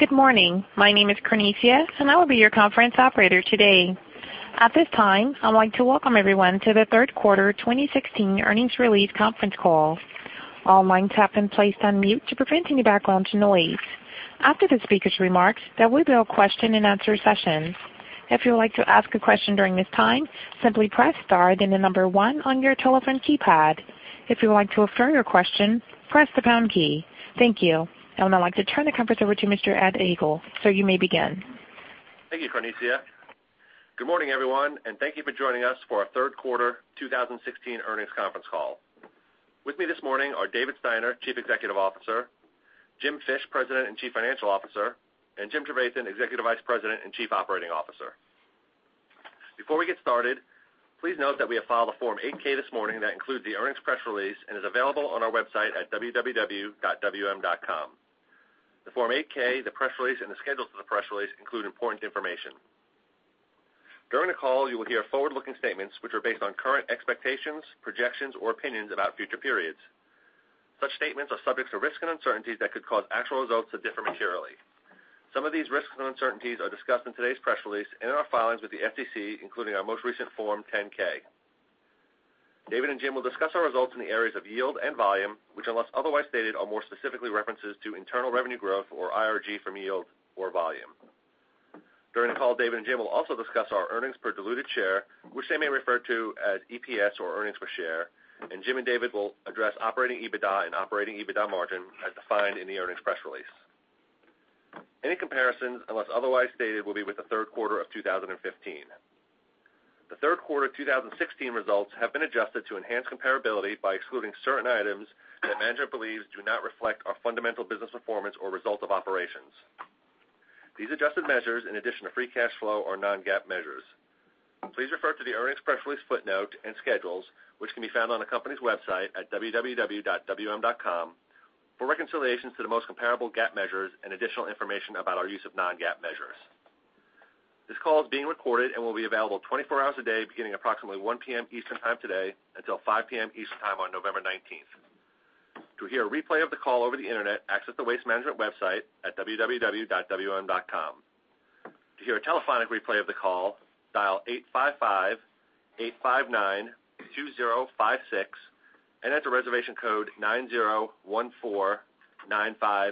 Good morning. My name is Cornesia, and I will be your conference operator today. At this time, I would like to welcome everyone to the third quarter 2016 earnings release conference call. All lines have been placed on mute to prevent any background noise. After the speaker's remarks, there will be a question and answer session. If you would like to ask a question during this time, simply press star, then the number one on your telephone keypad. If you would like to affirm your question, press the pound key. Thank you. I would now like to turn the conference over to Mr. Ed Egl, sir, you may begin. Thank you, Cornesia. Good morning, everyone, and thank you for joining us for our third quarter 2016 earnings conference call. With me this morning are David Steiner, Chief Executive Officer, Jim Fish, President and Chief Financial Officer, and Jim Trevathan, Executive Vice President and Chief Operating Officer. Before we get started, please note that we have filed a Form 8-K this morning that includes the earnings press release and is available on our website at www.wm.com. The Form 8-K, the press release, and the schedules to the press release include important information. During the call, you will hear forward-looking statements, which are based on current expectations, projections, or opinions about future periods. Such statements are subject to risks and uncertainties that could cause actual results to differ materially. Some of these risks and uncertainties are discussed in today's press release and in our filings with the SEC, including our most recent Form 10-K. David and Jim will discuss our results in the areas of yield and volume, which, unless otherwise stated, are more specifically references to internal revenue growth, or IRG, from yield or volume. During the call, David and Jim will also discuss our earnings per diluted share, which they may refer to as EPS or earnings per share. Jim and David will address operating EBITDA and operating EBITDA margin as defined in the earnings press release. Any comparisons, unless otherwise stated, will be with the third quarter of 2015. The third quarter 2016 results have been adjusted to enhance comparability by excluding certain items that management believes do not reflect our fundamental business performance or result of operations. These adjusted measures, in addition to free cash flow, are non-GAAP measures. Please refer to the earnings press release footnote and schedules, which can be found on the company's website at www.wm.com for reconciliations to the most comparable GAAP measures and additional information about our use of non-GAAP measures. This call is being recorded and will be available 24 hours a day, beginning approximately 1:00 P.M. Eastern Time today until 5:00 P.M. Eastern Time on November 19th. To hear a replay of the call over the internet, access the Waste Management website at www.wm.com. To hear a telephonic replay of the call, dial 855-859-2056 and enter reservation code 90149575.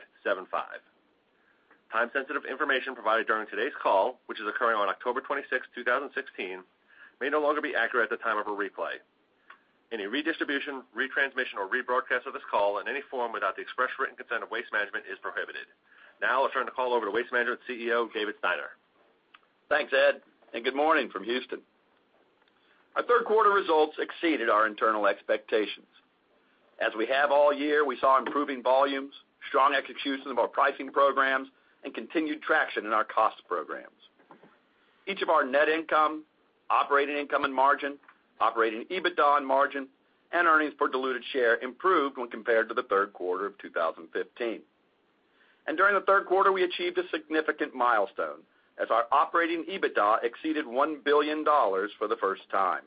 Time-sensitive information provided during today's call, which is occurring on October 26, 2016, may no longer be accurate at the time of a replay. Any redistribution, retransmission, or rebroadcast of this call in any form without the express written consent of Waste Management is prohibited. I'll turn the call over to Waste Management CEO, David Steiner. Thanks, Ed, and good morning from Houston. Our third quarter results exceeded our internal expectations. As we have all year, we saw improving volumes, strong execution of our pricing programs, and continued traction in our cost programs. Each of our net income, operating income and margin, operating EBITDA and margin, and earnings per diluted share improved when compared to the third quarter of 2015. During the third quarter, we achieved a significant milestone as our operating EBITDA exceeded $1 billion for the first time.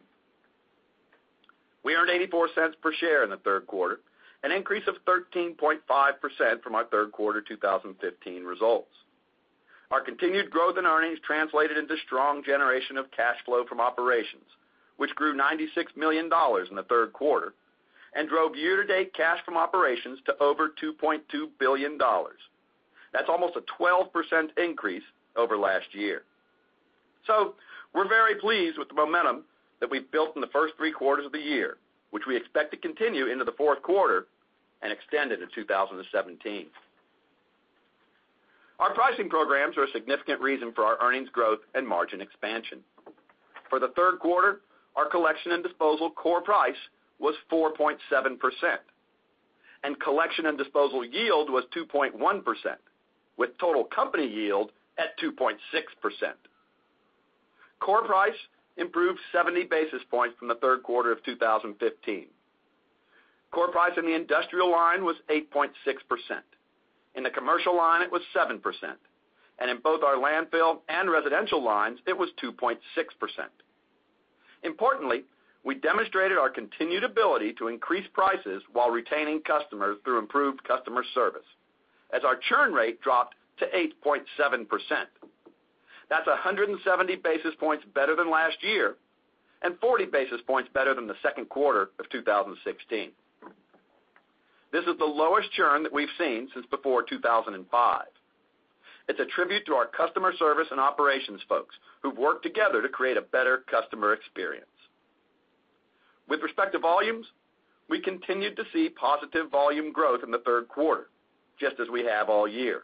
We earned $0.84 per share in the third quarter, an increase of 13.5% from our third quarter 2015 results. Our continued growth in earnings translated into strong generation of cash flow from operations, which grew $96 million in the third quarter and drove year-to-date cash from operations to over $2.2 billion. That's almost a 12% increase over last year. We're very pleased with the momentum that we've built in the first three quarters of the year, which we expect to continue into the fourth quarter and extend into 2017. Our pricing programs are a significant reason for our earnings growth and margin expansion. For the third quarter, our collection and disposal core price was 4.7%, and collection and disposal yield was 2.1%, with total company yield at 2.6%. Core price improved 70 basis points from the third quarter of 2015. Core price in the industrial line was 8.6%. In the commercial line, it was 7%. In both our landfill and residential lines, it was 2.6%. Importantly, we demonstrated our continued ability to increase prices while retaining customers through improved customer service, as our churn rate dropped to 8.7%. That's 170 basis points better than last year and 40 basis points better than the second quarter of 2016. This is the lowest churn that we've seen since before 2005. It's a tribute to our customer service and operations folks who've worked together to create a better customer experience. With respect to volumes, we continued to see positive volume growth in the third quarter, just as we have all year.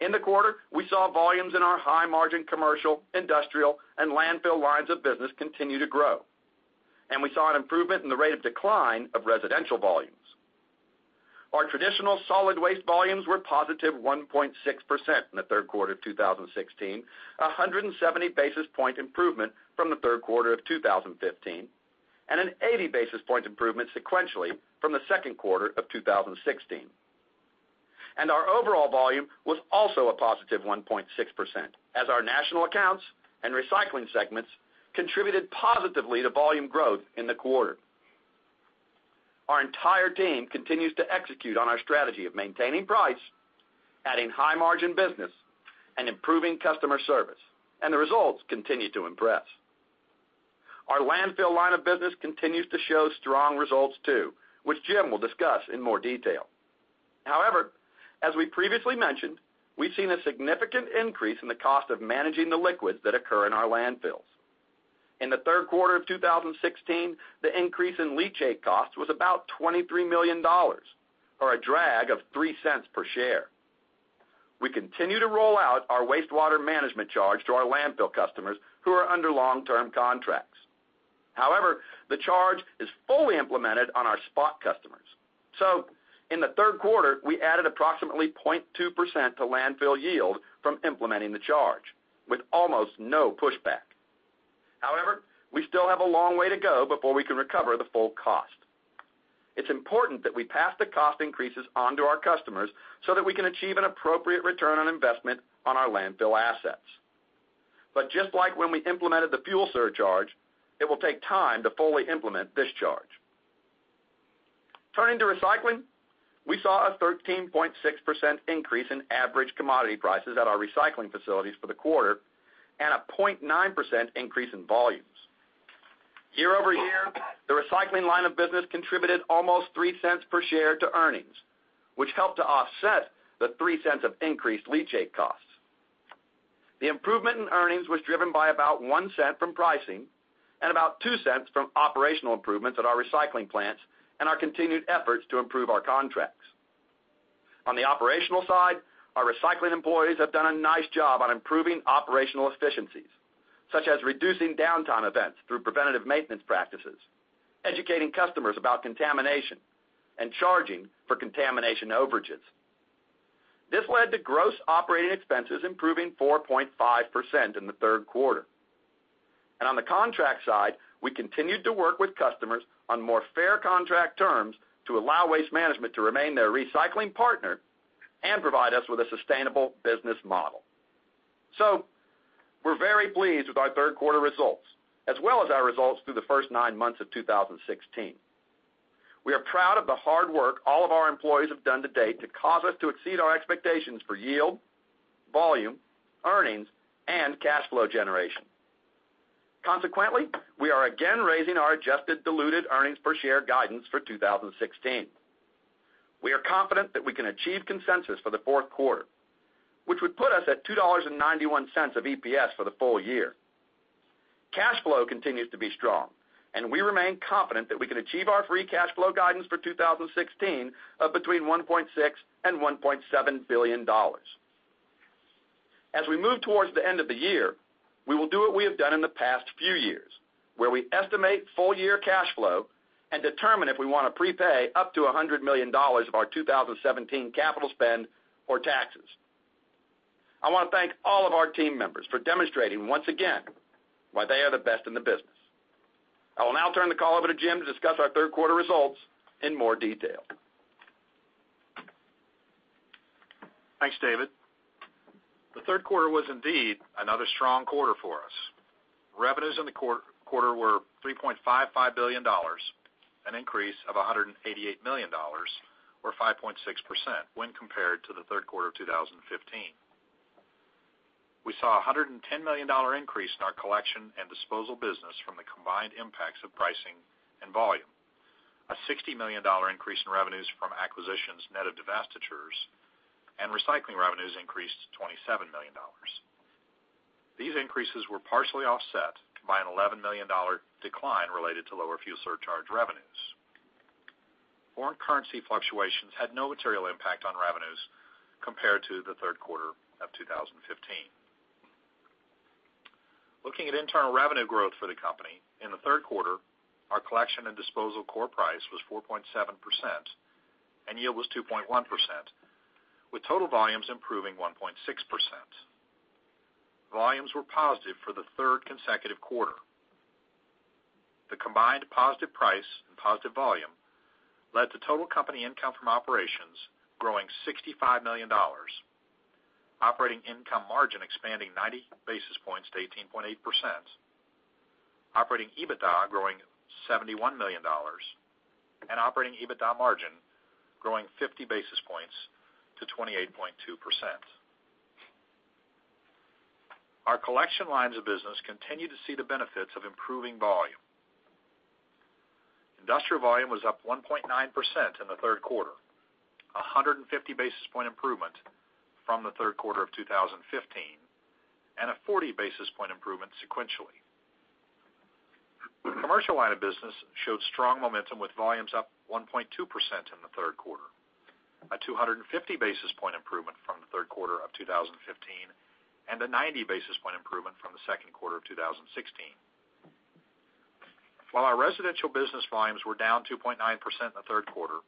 In the quarter, we saw volumes in our high-margin commercial, industrial, and landfill lines of business continue to grow. We saw an improvement in the rate of decline of residential volumes. Our traditional solid waste volumes were positive 1.6% in the third quarter of 2016, 170 basis point improvement from the third quarter of 2015, an 80 basis point improvement sequentially from the second quarter of 2016. Our overall volume was also a positive 1.6% as our national accounts and recycling segments contributed positively to volume growth in the quarter. Our entire team continues to execute on our strategy of maintaining price, adding high-margin business, and improving customer service. The results continue to impress. Our landfill line of business continues to show strong results too, which Jim will discuss in more detail. As we previously mentioned, we've seen a significant increase in the cost of managing the liquids that occur in our landfills. In the third quarter of 2016, the increase in leachate costs was about $23 million, or a drag of $0.03 per share. We continue to roll out our wastewater management charge to our landfill customers who are under long-term contracts. The charge is fully implemented on our spot customers. In the third quarter, we added approximately 0.2% to landfill yield from implementing the charge with almost no pushback. We still have a long way to go before we can recover the full cost. It's important that we pass the cost increases on to our customers so that we can achieve an appropriate return on investment on our landfill assets. Just like when we implemented the fuel surcharge, it will take time to fully implement this charge. Turning to recycling, we saw a 13.6% increase in average commodity prices at our recycling facilities for the quarter and a 0.9% increase in volumes. Year-over-year, the recycling line of business contributed almost $0.03 per share to earnings, which helped to offset the $0.03 of increased leachate costs. The improvement in earnings was driven by about $0.01 from pricing and about $0.02 from operational improvements at our recycling plants and our continued efforts to improve our contracts. On the operational side, our recycling employees have done a nice job on improving operational efficiencies, such as reducing downtime events through preventative maintenance practices, educating customers about contamination, and charging for contamination overages. This led to gross operating expenses improving 4.5% in the third quarter. On the contract side, we continued to work with customers on more fair contract terms to allow Waste Management to remain their recycling partner and provide us with a sustainable business model. We're very pleased with our third quarter results, as well as our results through the first nine months of 2016. We are proud of the hard work all of our employees have done to date to cause us to exceed our expectations for yield, volume, earnings, and cash flow generation. Consequently, we are again raising our adjusted diluted earnings per share guidance for 2016. We are confident that we can achieve consensus for the fourth quarter, which would put us at $2.91 of EPS for the full year. Cash flow continues to be strong, and we remain confident that we can achieve our free cash flow guidance for 2016 of between $1.6 billion and $1.7 billion. As we move towards the end of the year, we will do what we have done in the past few years, where we estimate full-year cash flow and determine if we want to prepay up to $100 million of our 2017 capital spend or taxes. I want to thank all of our team members for demonstrating once again why they are the best in the business. I will now turn the call over to Jim to discuss our third quarter results in more detail. Thanks, David. The third quarter was indeed another strong quarter for us. Revenues in the quarter were $3.55 billion, an increase of $188 million or 5.6% when compared to the third quarter of 2015. We saw a $110 million increase in our collection and disposal business from the combined impacts of pricing and volume. A $60 million increase in revenues from acquisitions net of divestitures, and recycling revenues increased $27 million. These increases were partially offset by an $11 million decline related to lower fuel surcharge revenues. Foreign currency fluctuations had no material impact on revenues compared to the third quarter of 2015. Looking at internal revenue growth for the company, in the third quarter, our collection and disposal core price was 4.7% and yield was 2.1%, with total volumes improving 1.6%. Volumes were positive for the third consecutive quarter. The combined positive price and positive volume led to total company income from operations growing $65 million, operating income margin expanding 90 basis points to 18.8%, operating EBITDA growing $71 million and operating EBITDA margin growing 50 basis points to 28.2%. Our collection lines of business continue to see the benefits of improving volume. Industrial volume was up 1.9% in the third quarter, 150 basis point improvement from the third quarter of 2015 and a 40 basis point improvement sequentially. The commercial line of business showed strong momentum, with volumes up 1.2% in the third quarter, a 250 basis point improvement from the third quarter of 2015 and a 90 basis point improvement from the second quarter of 2016. While our residential business volumes were down 2.9% in the third quarter,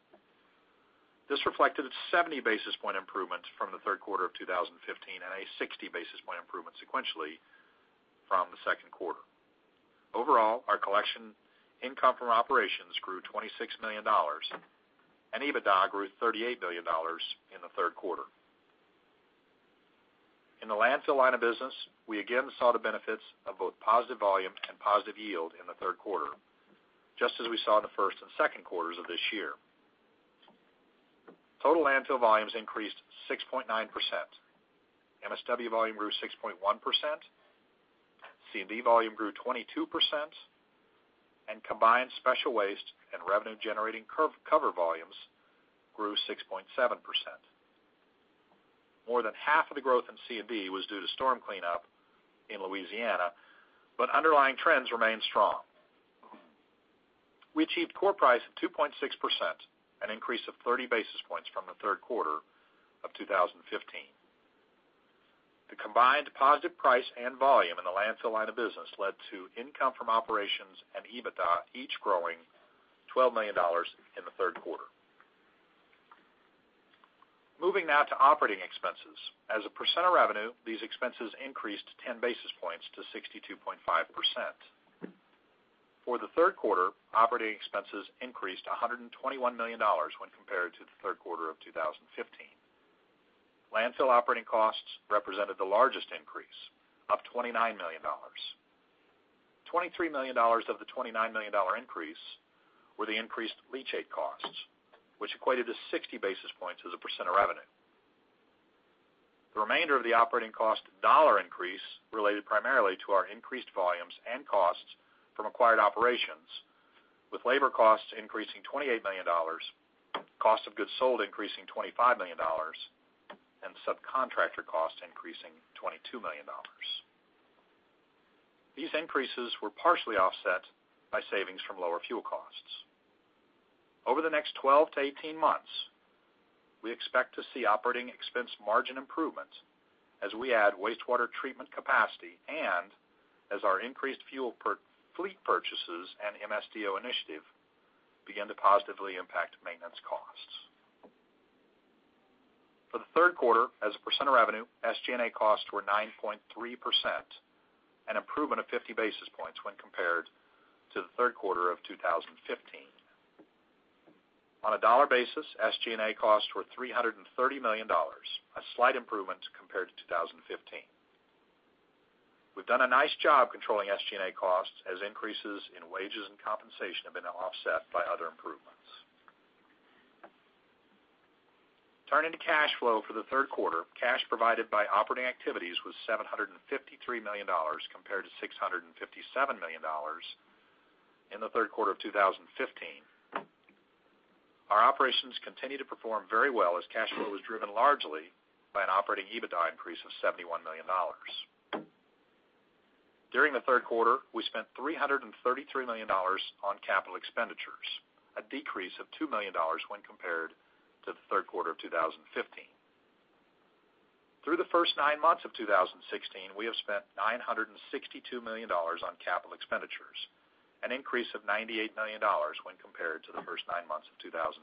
this reflected a 70 basis point improvement from the third quarter of 2015 and a 60 basis point improvement sequentially from the second quarter. Overall, our collection income from operations grew $26 million, and EBITDA grew $38 million in the third quarter. In the landfill line of business, we again saw the benefits of both positive volume and positive yield in the third quarter, just as we saw in the first and second quarters of this year. Total landfill volumes increased 6.9%. MSW volume grew 6.1%, C&D volume grew 22%, and combined special waste and revenue-generating cover volumes grew 6.7%. More than half of the growth in C&D was due to storm cleanup in Louisiana, but underlying trends remained strong. We achieved core price of 2.6%, an increase of 30 basis points from the third quarter of 2015. The combined positive price and volume in the landfill line of business led to income from operations and EBITDA each growing $12 million in the third quarter. Moving now to operating expenses. As a % of revenue, these expenses increased 10 basis points to 62.5%. For the third quarter, operating expenses increased to $121 million when compared to the third quarter of 2015. Landfill operating costs represented the largest increase, up $29 million. $23 million of the $29 million increase were the increased leachate costs, which equated to 60 basis points as a % of revenue. The remainder of the operating cost dollar increase related primarily to our increased volumes and costs from acquired operations, with labor costs increasing $28 million, cost of goods sold increasing $25 million and subcontractor costs increasing $22 million. These increases were partially offset by savings from lower fuel costs. Over the next 12 to 18 months, we expect to see operating expense margin improvements as we add wastewater treatment capacity and as our increased fuel fleet purchases and MSDO initiative begin to positively impact maintenance costs. For the third quarter, as a percent of revenue, SG&A costs were 9.3%, an improvement of 50 basis points when compared to the third quarter of 2015. On a dollar basis, SG&A costs were $330 million, a slight improvement compared to 2015. We've done a nice job controlling SG&A costs as increases in wages and compensation have been offset by other improvements. Turning to cash flow for the third quarter, cash provided by operating activities was $753 million compared to $657 million in the third quarter of 2015. Our operations continue to perform very well as cash flow is driven largely by an operating EBITDA increase of $71 million. During the third quarter, we spent $333 million on capital expenditures, a decrease of $2 million when compared to the third quarter of 2015. Through the first nine months of 2016, we have spent $962 million on capital expenditures, an increase of $98 million when compared to the first nine months of 2015.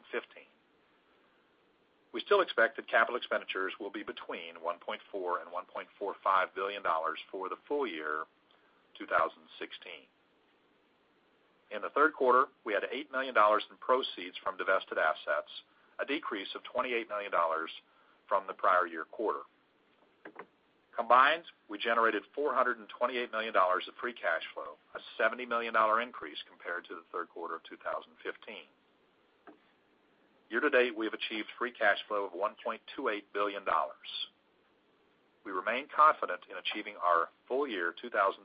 We still expect that capital expenditures will be between $1.4 billion and $1.45 billion for the full year 2016. In the third quarter, we had $8 million in proceeds from divested assets, a decrease of $28 million from the prior year quarter. Combined, we generated $428 million of free cash flow, a $70 million increase compared to the third quarter of 2015. Year to date, we have achieved free cash flow of $1.28 billion. We remain confident in achieving our full year 2016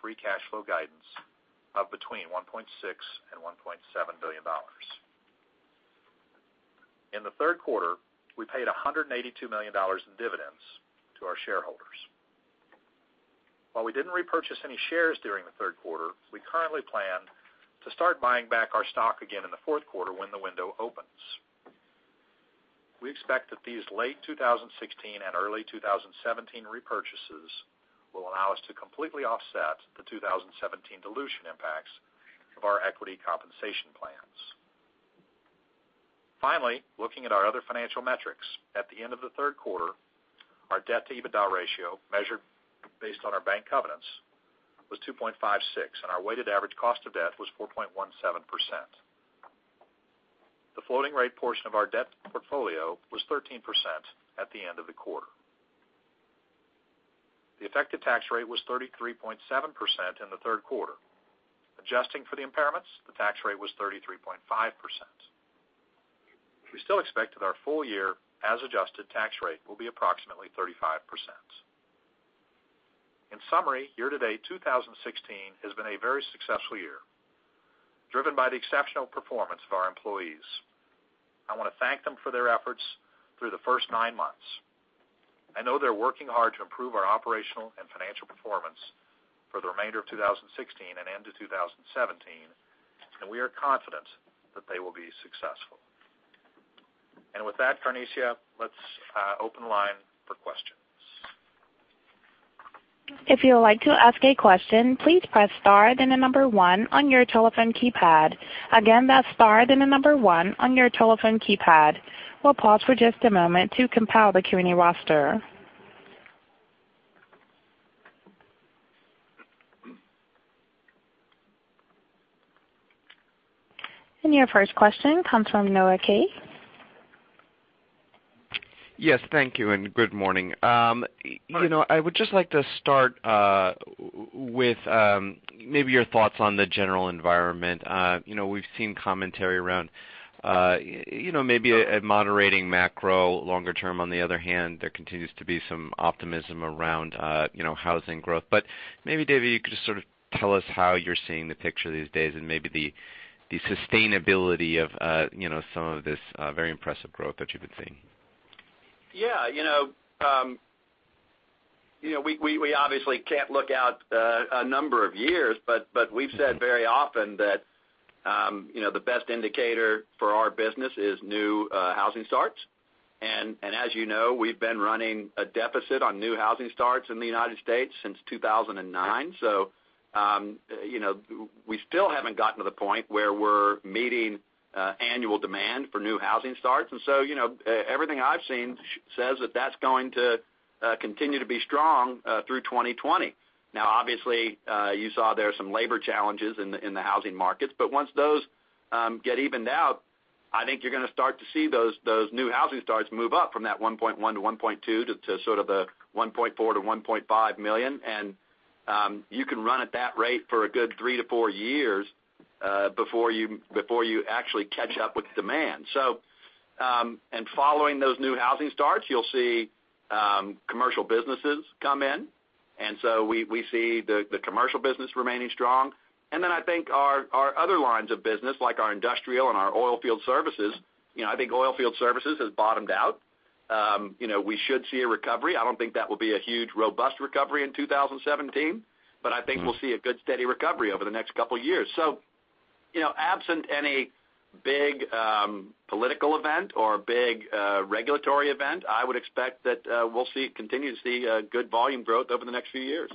free cash flow guidance of between $1.6 billion and $1.7 billion. In the third quarter, we paid $182 million in dividends to our shareholders. While we didn't repurchase any shares during the third quarter, we currently plan to start buying back our stock again in the fourth quarter when the window opens. We expect that these late 2016 and early 2017 repurchases will allow us to completely offset the 2017 dilution impacts of our equity compensation plans. Finally, looking at our other financial metrics. At the end of the third quarter, our debt to EBITDA ratio, measured based on our bank covenants, was 2.56, and our weighted average cost of debt was 4.17%. The floating rate portion of our debt portfolio was 13% at the end of the quarter. The effective tax rate was 33.7% in the third quarter. Adjusting for the impairments, the tax rate was 33.5%. We still expect that our full year as adjusted tax rate will be approximately 35%. In summary, year to date 2016 has been a very successful year, driven by the exceptional performance of our employees. I want to thank them for their efforts through the first nine months. I know they're working hard to improve our operational and financial performance for the remainder of 2016 and into 2017, and we are confident that they will be successful. With that, Tarnisha, let's open the line for questions. If you would like to ask a question, please press star, then the number one on your telephone keypad. Again, that's star, then the number one on your telephone keypad. We'll pause for just a moment to compile the Q&A roster. Your first question comes from Noah Kaye. Yes. Thank you, and good morning. Morning. I would just like to start with maybe your thoughts on the general environment. We've seen commentary around maybe a moderating macro longer term. On the other hand, there continues to be some optimism around housing growth. Maybe, David, you could just sort of tell us how you're seeing the picture these days and maybe the sustainability of some of this very impressive growth that you've been seeing. Yeah. We obviously can't look out a number of years, but we've said very often that the best indicator for our business is new housing starts. As you know, we've been running a deficit on new housing starts in the United States since 2009. We still haven't gotten to the point where we're meeting annual demand for new housing starts. Everything I've seen says that that's going to continue to be strong through 2020. Now, obviously, you saw there are some labor challenges in the housing markets. Once those get evened out, I think you're going to start to see those new housing starts move up from that 1.1 to 1.2 to sort of a 1.4 to 1.5 million, and you can run at that rate for a good three to four years, before you actually catch up with demand. Following those new housing starts, you'll see commercial businesses come in. We see the commercial business remaining strong. I think our other lines of business, like our industrial and our oil field services, I think oil field services has bottomed out. We should see a recovery. I don't think that will be a huge, robust recovery in 2017, but I think we'll see a good, steady recovery over the next couple of years. Absent any big political event or big regulatory event, I would expect that we'll continue to see good volume growth over the next few years.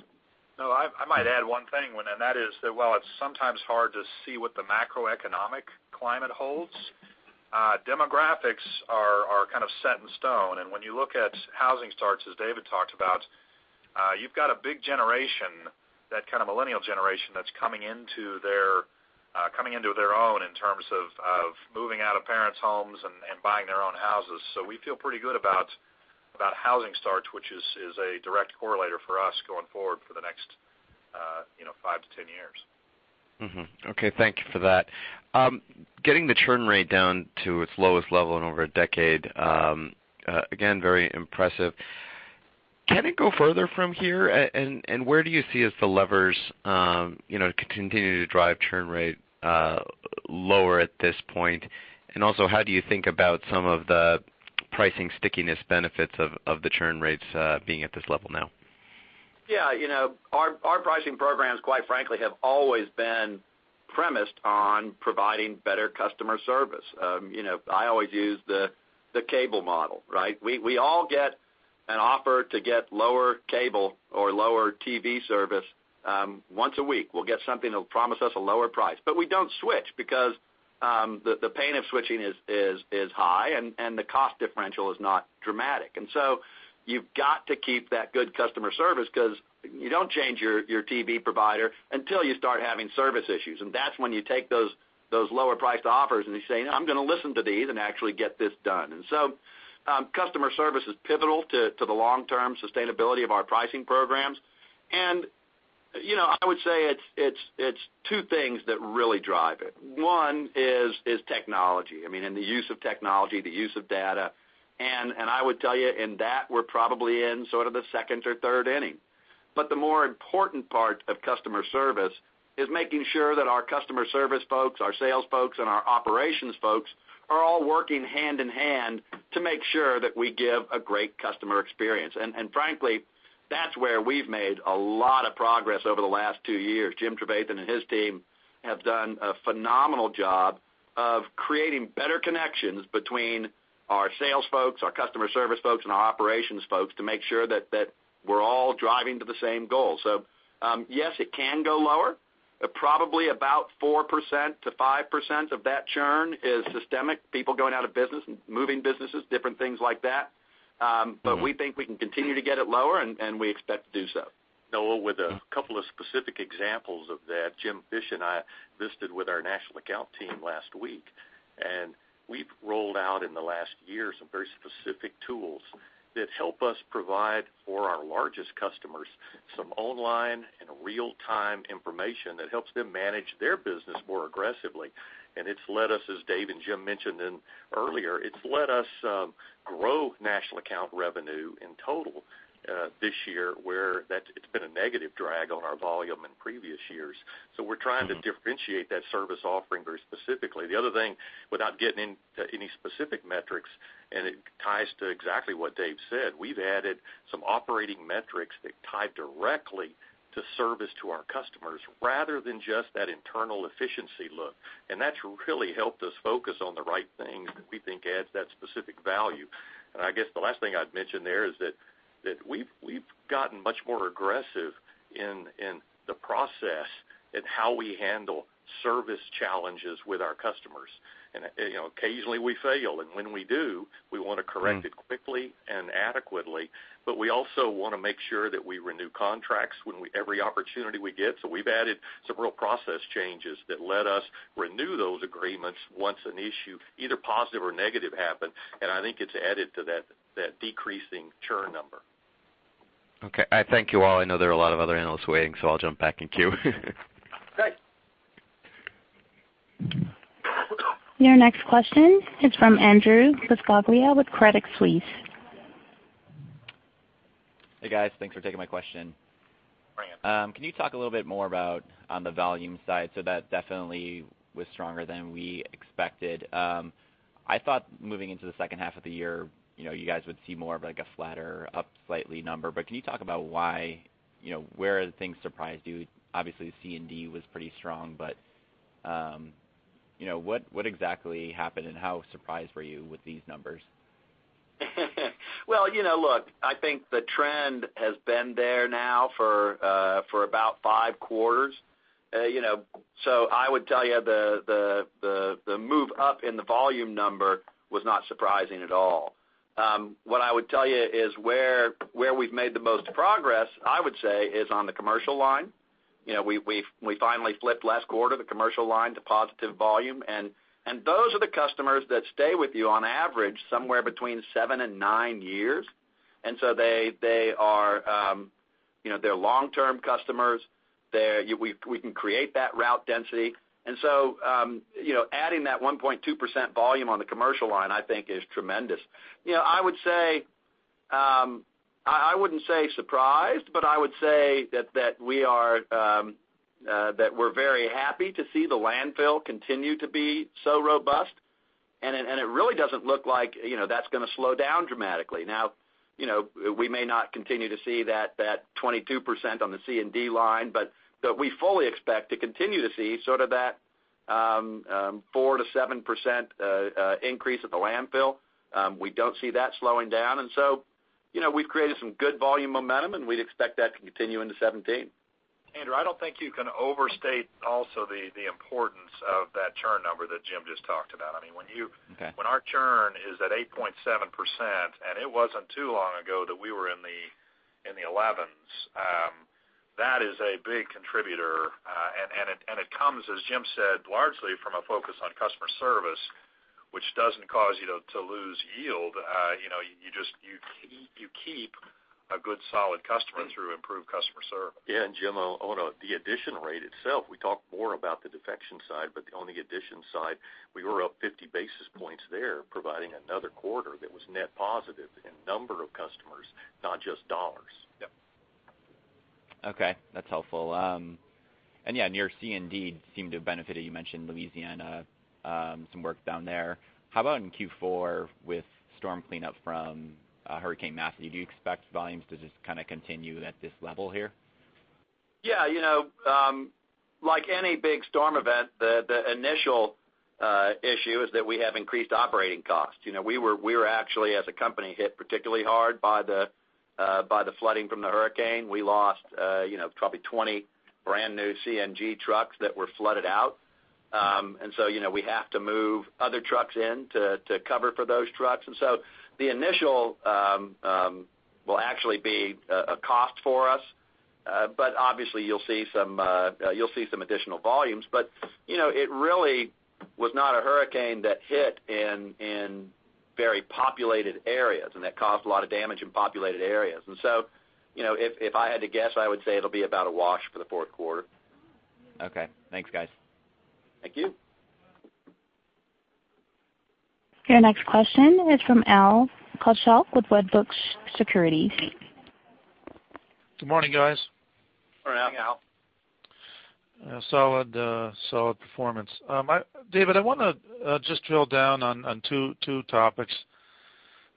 Noah, I might add one thing, and that is that while it's sometimes hard to see what the macroeconomic climate holds, demographics are kind of set in stone. When you look at housing starts, as David talked about, you've got a big generation, that kind of millennial generation that's coming into their own in terms of moving out of parents' homes and buying their own houses. We feel pretty good about housing starts, which is a direct correlator for us going forward for the next five to 10 years. Mm-hmm. Okay. Thank you for that. Getting the churn rate down to its lowest level in over a decade, again, very impressive. Can it go further from here? Where do you see as the levers to continue to drive churn rate lower at this point? Also, how do you think about some of the pricing stickiness benefits of the churn rates being at this level now? Yeah. Our pricing programs, quite frankly, have always been premised on providing better customer service. I always use the cable model, right? We all get an offer to get lower cable or lower TV service once a week. We'll get something that'll promise us a lower price. We don't switch because the pain of switching is high, and the cost differential is not dramatic. You've got to keep that good customer service because you don't change your TV provider until you start having service issues. That's when you take those lower priced offers and you say, "I'm going to listen to these and actually get this done." Customer service is pivotal to the long-term sustainability of our pricing programs. I would say it's two things that really drive it. One is technology. I mean, the use of technology, the use of data. I would tell you in that, we're probably in sort of the second or third inning. The more important part of customer service is making sure that our customer service folks, our sales folks, and our operations folks are all working hand in hand to make sure that we give a great customer experience. Frankly, that's where we've made a lot of progress over the last two years. Jim Trevathan and his team have done a phenomenal job of creating better connections between our sales folks, our customer service folks, and our operations folks to make sure that we're all driving to the same goal. Yes, it can go lower. Probably about 4%-5% of that churn is systemic. People going out of business and moving businesses, different things like that. We think we can continue to get it lower, and we expect to do so. Noah, with a couple of specific examples of that, Jim Fish and I visited with our national account team last week. We've rolled out in the last year some very specific tools that help us provide for our largest customers, some online and real-time information that helps them manage their business more aggressively. It's let us, as Dave and Jim mentioned earlier, it's let us grow national account revenue in total this year, where it's been a negative drag on our volume in previous years. We're trying to differentiate that service offering very specifically. The other thing, without getting into any specific metrics, and it ties to exactly what Dave said, we've added some operating metrics that tie directly to service to our customers rather than just that internal efficiency look. That's really helped us focus on the right thing that we think adds that specific value. I guess the last thing I'd mention there is that we've gotten much more aggressive in the process in how we handle service challenges with our customers. Occasionally we fail, and when we do, we want to correct it quickly and adequately. We also want to make sure that we renew contracts every opportunity we get. We've added some real process changes that let us renew those agreements once an issue, either positive or negative, happen, and I think it's added to that decreasing churn number. Okay. Thank you all. I know there are a lot of other analysts waiting, I'll jump back in queue. Okay. Your next question is from Andrew Buscaglia with Credit Suisse. Hey, guys. Thanks for taking my question. Hi, Andrew. Can you talk a little bit more about on the volume side? That definitely was stronger than we expected. I thought moving into the second half of the year, you guys would see more of a flatter, up slightly number. Can you talk about why, where things surprised you? Obviously, C&D was pretty strong, but what exactly happened and how surprised were you with these numbers? Well, look, I think the trend has been there now for about five quarters. I would tell you the move up in the volume number was not surprising at all. What I would tell you is where we've made the most progress, I would say, is on the commercial line. We finally flipped last quarter, the commercial line to positive volume. Those are the customers that stay with you on average somewhere between seven and nine years, so they're long-term customers. We can create that route density. Adding that 1.2% volume on the commercial line, I think, is tremendous. I wouldn't say surprised, but I would say that we're very happy to see the landfill continue to be so robust, and it really doesn't look like that's going to slow down dramatically. Now, we may not continue to see that 22% on the C&D line, but we fully expect to continue to see sort of that 4%-7% increase at the landfill. We don't see that slowing down. We've created some good volume momentum, and we'd expect that to continue into 2017. Andrew, I don't think you can overstate also the importance of that churn number that Jim just talked about. Okay. When our churn is at 8.7%, and it wasn't too long ago that we were in the 11s, that is a big contributor. It comes, as Jim said, largely from a focus on customer service, which doesn't cause you to lose yield. You keep a good, solid customer through improved customer service. Jim, on the addition rate itself, we talked more about the defection side, but on the addition side, we were up 50 basis points there, providing another quarter that was net positive in number of customers, not just dollars. Yep. That's helpful. Your C&D seemed to have benefited. You mentioned Louisiana, some work down there. How about in Q4 with storm cleanup from Hurricane Matthew? Do you expect volumes to just kind of continue at this level here? Yeah. Like any big storm event, the initial issue is that we have increased operating costs. We were actually, as a company, hit particularly hard by the flooding from the hurricane. We lost probably 20 brand-new CNG trucks that were flooded out. We have to move other trucks in to cover for those trucks. The initial will actually be a cost for us. Obviously you'll see some additional volumes. It really was not a hurricane that hit in very populated areas and that caused a lot of damage in populated areas. If I had to guess, I would say it'll be about a wash for the fourth quarter. Okay. Thanks, guys. Thank you. Your next question is from Al Kaschalk with Wedbush Securities. Good morning, guys. Morning, Al. Solid performance. David, I want to just drill down on two topics.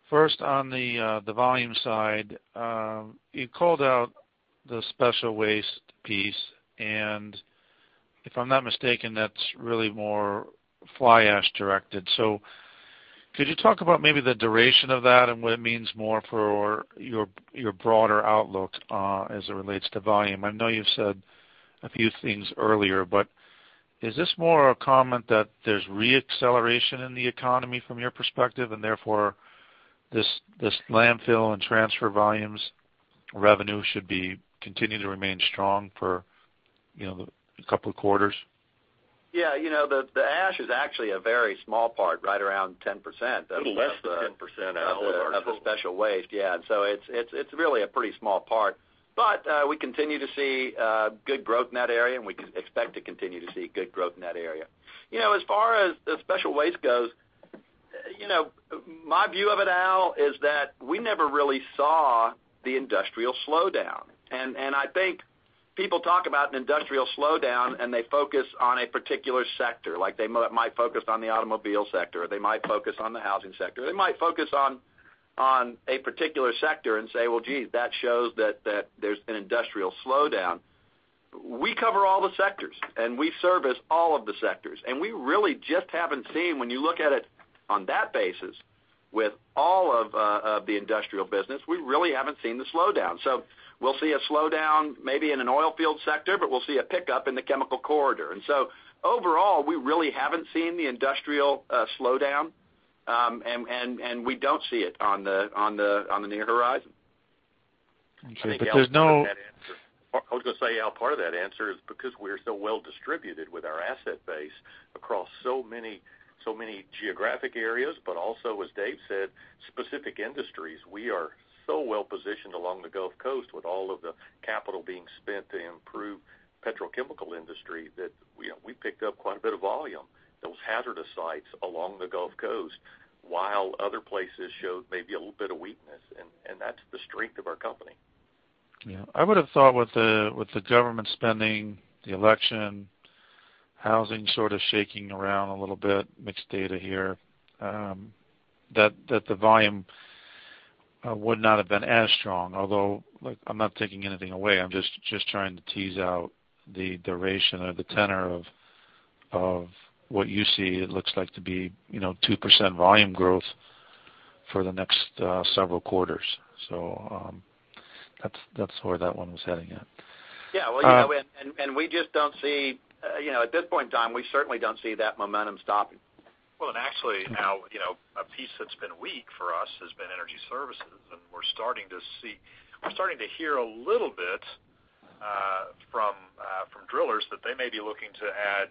First, on the volume side. You called out the special waste piece, and if I'm not mistaken, that's really more fly ash directed. Could you talk about maybe the duration of that and what it means more for your broader outlook as it relates to volume? I know you've said a few things earlier, but is this more a comment that there's re-acceleration in the economy from your perspective, and therefore, this landfill and transfer volumes revenue should be continuing to remain strong for a couple of quarters? Yeah. The ash is actually a very small part, right around 10%. Little less than 10% of the total. Of the special waste, yeah. It's really a pretty small part. We continue to see good growth in that area, and we expect to continue to see good growth in that area. As far as the special waste goes, my view of it, Al, is that we never really saw the industrial slowdown. I think people talk about an industrial slowdown, and they focus on a particular sector. Like they might focus on the automobile sector, or they might focus on the housing sector. They might focus on a particular sector and say, "Well, geez, that shows that there's an industrial slowdown." We cover all the sectors, and we service all of the sectors. We really just haven't seen, when you look at it on that basis, with the industrial business, we really haven't seen the slowdown. We'll see a slowdown maybe in an oil field sector, but we'll see a pickup in the chemical corridor. Overall, we really haven't seen the industrial slowdown, and we don't see it on the near horizon. Okay. I was going to say, Al Kaschalk, part of that answer is because we're so well distributed with our asset base across so many geographic areas, but also, as Dave said, specific industries. We are so well-positioned along the Gulf Coast with all of the capital being spent to improve petrochemical industry that we picked up quite a bit of volume, those hazardous sites along the Gulf Coast, while other places showed maybe a little bit of weakness. That's the strength of our company. Yeah. I would have thought with the government spending, the election, housing sort of shaking around a little bit, mixed data here, that the volume would not have been as strong. Although, I'm not taking anything away, I'm just trying to tease out the duration or the tenor of what you see. It looks like to be 2% volume growth for the next several quarters. That's where that one was heading at. Yeah. At this point in time, we certainly don't see that momentum stopping. Well, and actually, Al Kaschalk, a piece that's been weak for us has been energy services, and we're starting to hear a little bit from drillers that they may be looking to add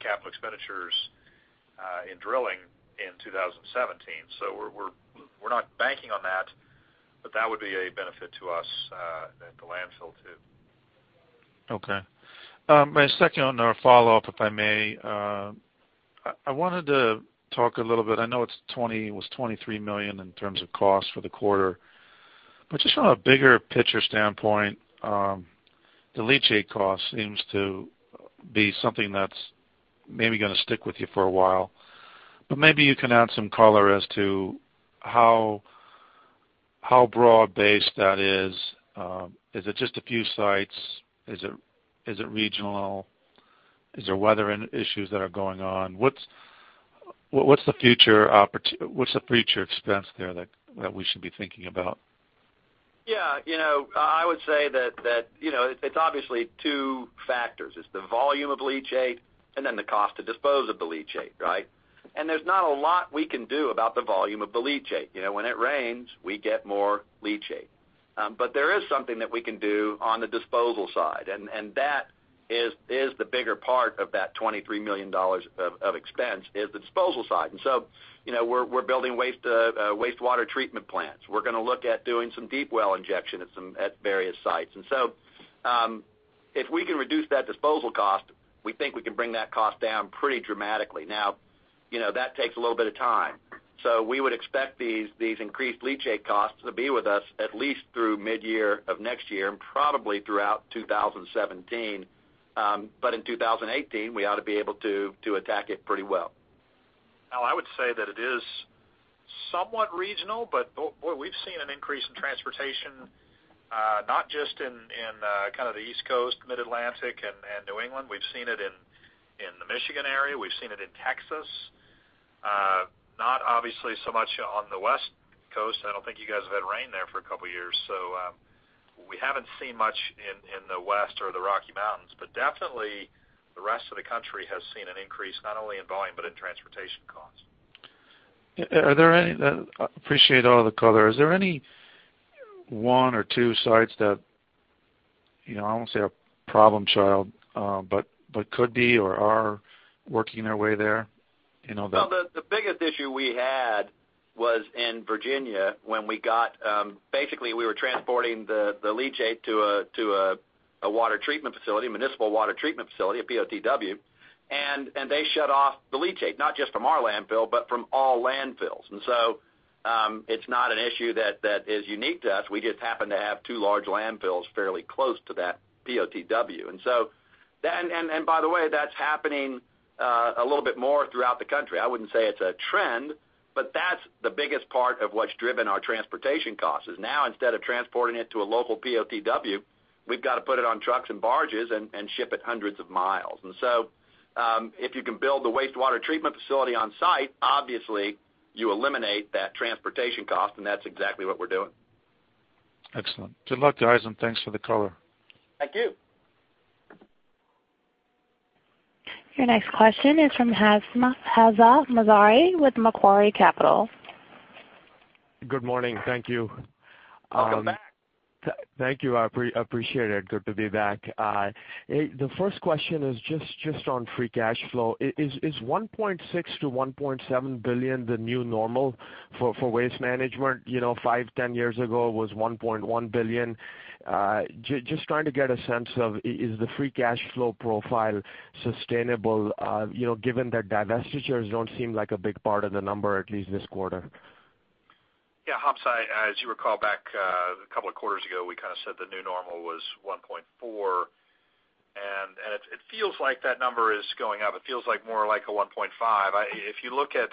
capital expenditures in drilling in 2017. We're not banking on that, but that would be a benefit to us at the landfill, too. Okay. My second or follow-up, if I may. I wanted to talk a little bit, I know it was $23 million in terms of cost for the quarter. Just from a bigger picture standpoint, the leachate cost seems to be something that's maybe going to stick with you for a while. Maybe you can add some color as to how broad-based that is. Is it just a few sites? Is it regional? Is there weather issues that are going on? What's the future expense there that we should be thinking about? Yeah. I would say that it's obviously two factors. It's the volume of leachate and then the cost to dispose of the leachate, right? There's not a lot we can do about the volume of the leachate. When it rains, we get more leachate. There is something that we can do on the disposal side, and that is the bigger part of that $23 million of expense, is the disposal side. We're building wastewater treatment plants. We're going to look at doing some deep well injection at various sites. If we can reduce that disposal cost, we think we can bring that cost down pretty dramatically. Now, that takes a little bit of time. We would expect these increased leachate costs to be with us at least through mid-year of next year, and probably throughout 2017. In 2018, we ought to be able to attack it pretty well. Al, I would say that it is somewhat regional, but, boy, we've seen an increase in transportation, not just in kind of the East Coast, Mid-Atlantic, and New England. We've seen it in the Michigan area. We've seen it in Texas. Not obviously so much on the West Coast. I don't think you guys have had rain there for a couple of years. We haven't seen much in the West or the Rocky Mountains, but definitely the rest of the country has seen an increase, not only in volume, but in transportation costs. I appreciate all the color. Is there any one or two sites that, I won't say a problem child, but could be or are working their way there? The biggest issue we had was in Virginia when basically, we were transporting the leachate to a water treatment facility, a municipal water treatment facility, a POTW. They shut off the leachate, not just from our landfill, but from all landfills. So, it's not an issue that is unique to us. We just happen to have two large landfills fairly close to that POTW. By the way, that's happening a little bit more throughout the country. I wouldn't say it's a trend, but that's the biggest part of what's driven our transportation costs, is now instead of transporting it to a local POTW, we've got to put it on trucks and barges and ship it hundreds of miles. So, if you can build the wastewater treatment facility on site, obviously you eliminate that transportation cost, and that's exactly what we're doing. Excellent. Good luck, guys, and thanks for the color. Thank you. Your next question is from Hamzah Mazari with Macquarie Capital. Good morning. Thank you. Welcome back. Thank you. I appreciate it. Good to be back. The first question is just on free cash flow. Is $1.6 billion-$1.7 billion the new normal for Waste Management? Five, 10 years ago, it was $1.1 billion. Just trying to get a sense of, is the free cash flow profile sustainable, given that divestitures don't seem like a big part of the number, at least this quarter? Yeah, Hamzah, as you recall back a couple of quarters ago, we kind of said the new normal was $1.4 billion, and it feels like that number is going up. It feels like more like a $1.5 billion. If you look at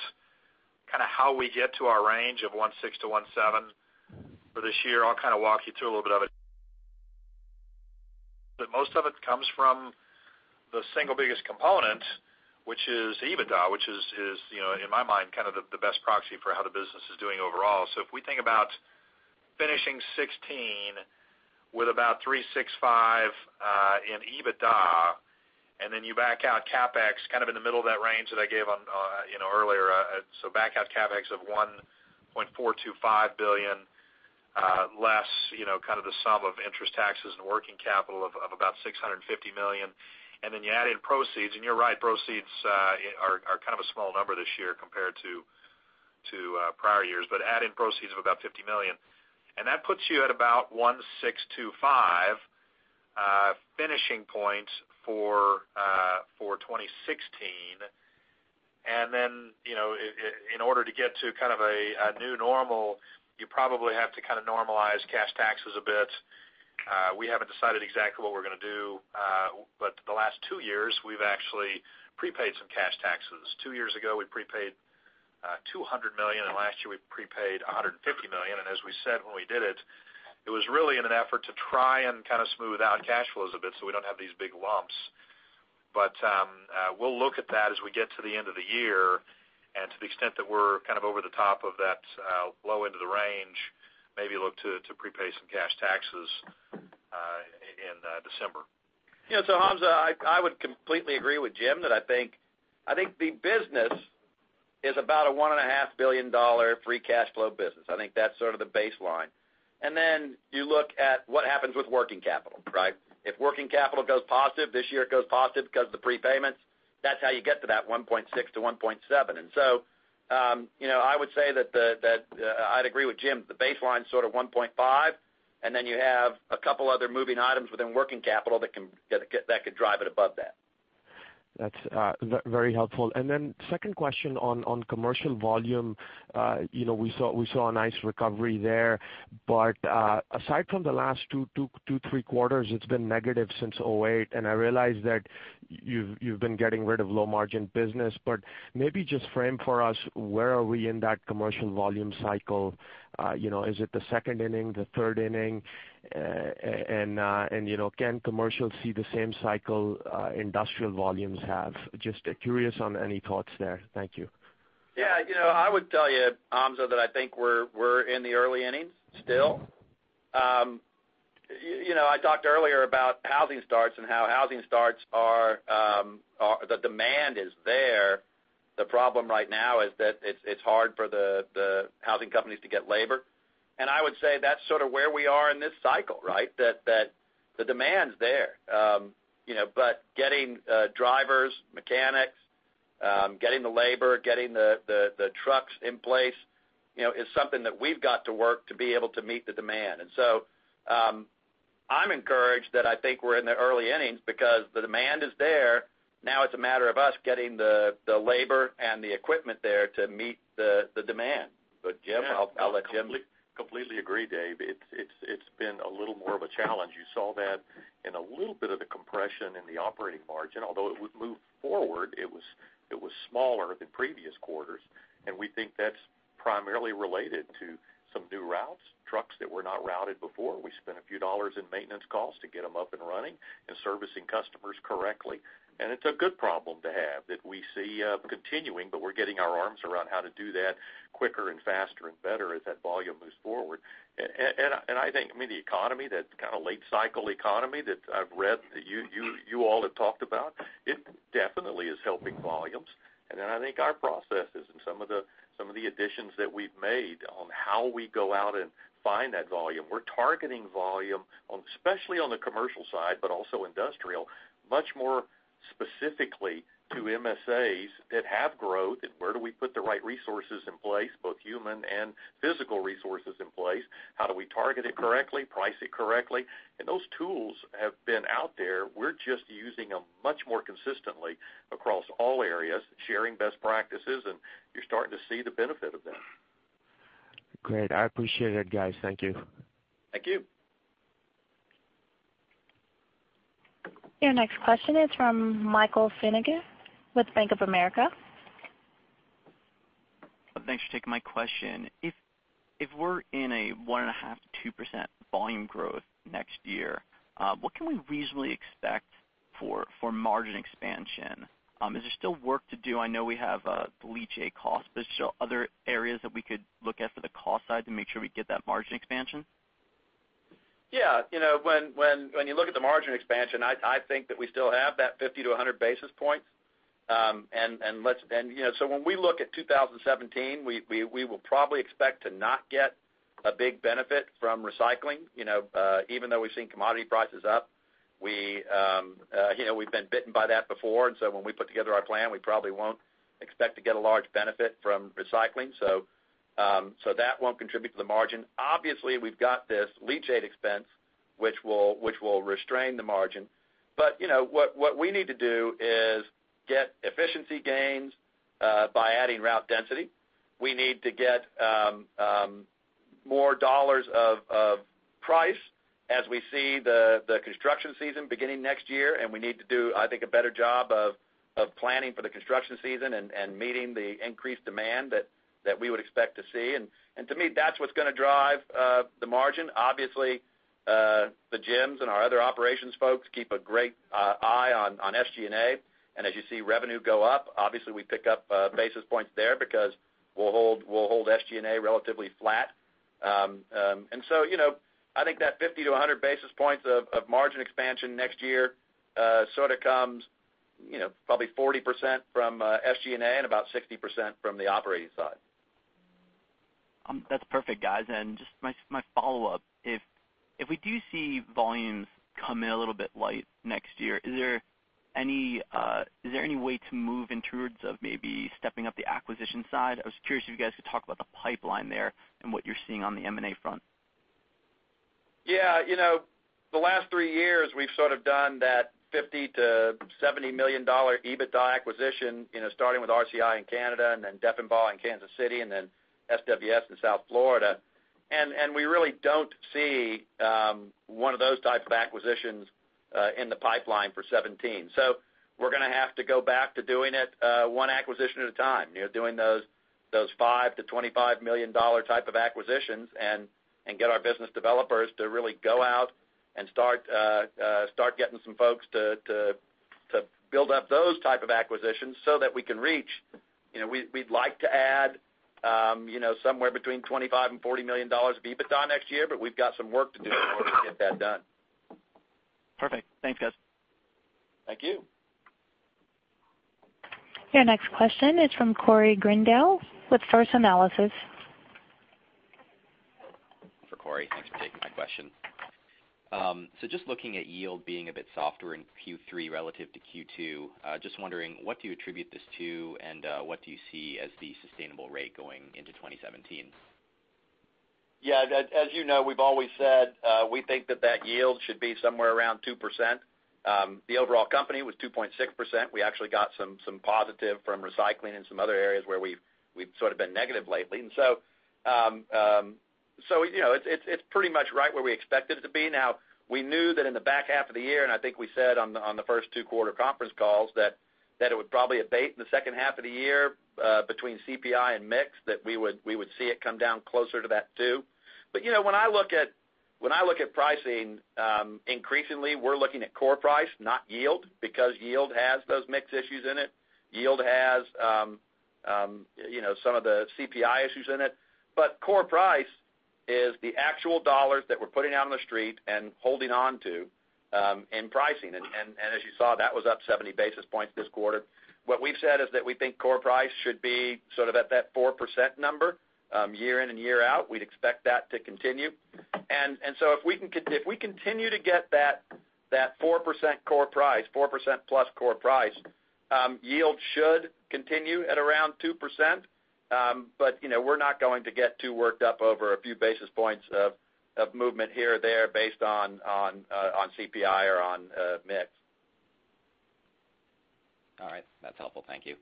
kind of how we get to our range of $1.6 billion-$1.7 billion for this year, I'll kind of walk you through a little bit of it. Most of it comes from the single biggest component, which is EBITDA, which is, in my mind, kind of the best proxy for how the business is doing overall. If we think about finishing 2016 with about $365 million in EBITDA, and then you back out CapEx kind of in the middle of that range that I gave on earlier, back out CapEx of $1.425 billion less, kind of the sum of interest, taxes, and working capital of about $650 million. You add in proceeds, and you're right, proceeds are kind of a small number this year compared to prior years. Add in proceeds of about $50 million, and that puts you at about $1.625 billion finishing points for 2016. In order to get to kind of a new normal, you probably have to kind of normalize cash taxes a bit. We haven't decided exactly what we're going to do. The last two years, we've actually prepaid some cash taxes. Two years ago, we prepaid $200 million, and last year we prepaid $150 million. As we said when we did it was really in an effort to try and kind of smooth out cash flows a bit so we don't have these big lumps. We'll look at that as we get to the end of the year, and to the extent that we're kind of over the top of that low end of the range, maybe look to prepay some cash taxes in December. Hamzah, I would completely agree with Jim that I think the business is about a $1.5 billion free cash flow business. I think that's sort of the baseline. You look at what happens with working capital, right? If working capital goes positive, this year it goes positive because of the prepayments. That's how you get to that $1.6 billion-$1.7 billion. I would say that I'd agree with Jim, the baseline is sort of $1.5 billion, and then you have a couple other moving items within working capital that could drive it above that. That's very helpful. Second question on commercial volume. We saw a nice recovery there, but aside from the last two, three quarters, it's been negative since 2008. I realize that you've been getting rid of low margin business, maybe just frame for us, where are we in that commercial volume cycle? Is it the second inning, the third inning? Can commercial see the same cycle industrial volumes have? Just curious on any thoughts there. Thank you. Yeah. I would tell you, Hamzah, that I think we're in the early innings still. I talked earlier about housing starts and how the demand is there. The problem right now is that it's hard for the housing companies to get labor. I would say that's sort of where we are in this cycle, right? The demand's there. Getting drivers, mechanics, getting the labor, getting the trucks in place, is something that we've got to work to be able to meet the demand. So, I'm encouraged that I think we're in the early innings because the demand is there. Now it's a matter of us getting the labor and the equipment there to meet the demand. Jim, I'll let Jim. Completely agree, Dave. It's been a little more of a challenge. You saw that in a little bit of the compression in the operating margin. Although it would move forward, it was smaller than previous quarters. We think that's primarily related to some new routes, trucks that were not routed before. We spent a few dollars in maintenance costs to get them up and running and servicing customers correctly. It's a good problem to have that we see continuing, we're getting our arms around how to do that quicker and faster and better as that volume moves forward. I think the economy, that kind of late cycle economy that I've read that you all have talked about, it definitely is helping volumes. Then I think our processes and some of the additions that we've made on how we go out and find that volume. We're targeting volume, especially on the commercial side, but also industrial, much more specifically to MSAs that have growth and where do we put the right resources in place, both human and physical resources in place. How do we target it correctly, price it correctly? Those tools have been out there. We're just using them much more consistently across all areas, sharing best practices, you're starting to see the benefit of that. Great. I appreciate it, guys. Thank you. Thank you. Your next question is from Michael Feniger with Bank of America. Thanks for taking my question. If we're in a 1.5%-2% volume growth next year, what can we reasonably expect for margin expansion? Is there still work to do? I know we have the leachate cost, is there other areas that we could look at for the cost side to make sure we get that margin expansion? Yeah. When you look at the margin expansion, I think that we still have that 50 to 100 basis points. When we look at 2017, we will probably expect to not get a big benefit from recycling. Even though we've seen commodity prices up, we've been bitten by that before. When we put together our plan, we probably won't expect to get a large benefit from recycling. That won't contribute to the margin. Obviously, we've got this leachate expense, which will restrain the margin. What we need to do is get efficiency gains by adding route density. We need to get more dollars of price as we see the construction season beginning next year. We need to do, I think, a better job of planning for the construction season and meeting the increased demand that we would expect to see. To me, that's what's going to drive the margin. Obviously, the Jims and our other operations folks keep a great eye on SG&A. As you see revenue go up, obviously we pick up basis points there because we'll hold SG&A relatively flat. I think that 50 to 100 basis points of margin expansion next year sort of comes probably 40% from SG&A and about 60% from the operating side. That's perfect, guys. Just my follow-up, if we do see volumes come in a little bit light next year, is there any way to move in towards maybe stepping up the acquisition side? I was curious if you guys could talk about the pipeline there and what you're seeing on the M&A front. Yeah. The last three years, we've sort of done that $50 million-$70 million EBITDA acquisition, starting with RCI in Canada and then Deffenbaugh in Kansas City, and then SWS in South Florida. We really don't see one of those types of acquisitions in the pipeline for 2017. We're going to have to go back to doing it one acquisition at a time. Doing those $5 million-$25 million type of acquisitions and get our business developers to really go out and start getting some folks to build up those type of acquisitions so that we can reach. We'd like to add somewhere between $25 million and $40 million of EBITDA next year, we've got some work to do in order to get that done. Perfect. Thanks, guys. Thank you. Your next question is from Corey Greendale with First Analysis. For Corey, thanks for taking my question. Just looking at yield being a bit softer in Q3 relative to Q2, just wondering, what do you attribute this to, and what do you see as the sustainable rate going into 2017? Yeah. As you know, we've always said, we think that that yield should be somewhere around 2%. The overall company was 2.6%. We actually got some positive from recycling and some other areas where we've sort of been negative lately. It's pretty much right where we expect it to be. We knew that in the back half of the year, and I think we said on the first two quarter conference calls, that it would probably abate in the second half of the year, between CPI and mix, that we would see it come down closer to that 2%. When I look at pricing, increasingly, we're looking at core price, not yield, because yield has those mix issues in it. Yield has some of the CPI issues in it. Core price is the actual dollars that we're putting out on the street and holding onto, in pricing. As you saw, that was up 70 basis points this quarter. What we've said is that we think core price should be sort of at that 4% number, year in and year out. We'd expect that to continue. If we continue to get that 4% plus core price, yield should continue at around 2%. We're not going to get too worked up over a few basis points of movement here or there based on CPI or on mix. All right. That's helpful. Thank you.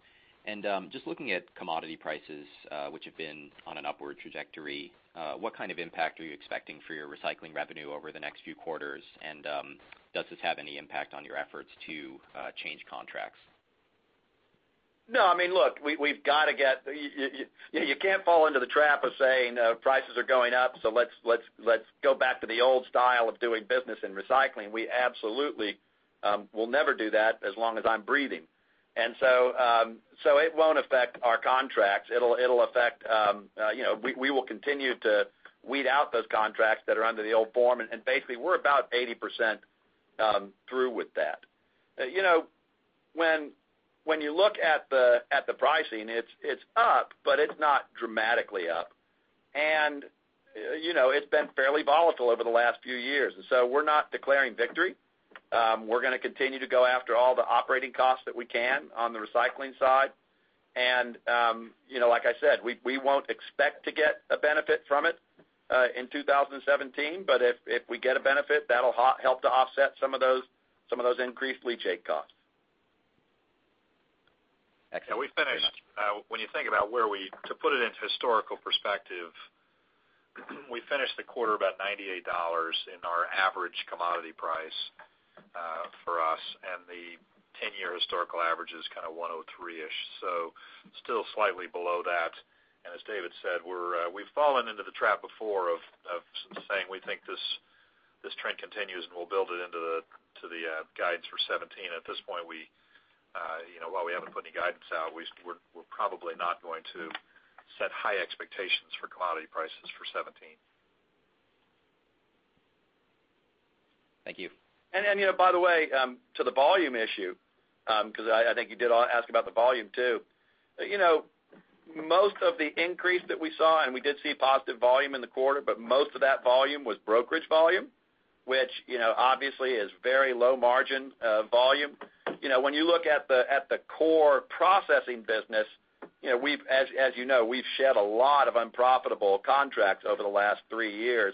Just looking at commodity prices, which have been on an upward trajectory, what kind of impact are you expecting for your recycling revenue over the next few quarters? Does this have any impact on your efforts to change contracts? No. Look, you can't fall into the trap of saying prices are going up, so let's go back to the old style of doing business in recycling. We absolutely will never do that as long as I'm breathing. It won't affect our contracts. We will continue to weed out those contracts that are under the old form, and basically, we're about 80% through with that. When you look at the pricing, it's up, but it's not dramatically up. It's been fairly volatile over the last few years. We're not declaring victory. We're going to continue to go after all the operating costs that we can on the recycling side. Like I said, we won't expect to get a benefit from it in 2017, but if we get a benefit, that'll help to offset some of those increased leachate costs. Excellent. When you think about where to put it into historical perspective, we finished the quarter about $98 in our average commodity price for us, the 10-year historical average is kind of 103-ish. Still slightly below that. As David said, we've fallen into the trap before of saying we think this trend continues, and we'll build it into the guides for 2017. At this point, while we haven't put any guidance out, we're probably not going to set high expectations for commodity prices for 2017. Thank you. By the way, to the volume issue, because I think you did ask about the volume, too. Most of the increase that we saw, and we did see positive volume in the quarter, but most of that volume was brokerage volume, which obviously is very low margin volume. When you look at the core processing business, as you know, we've shed a lot of unprofitable contracts over the last three years.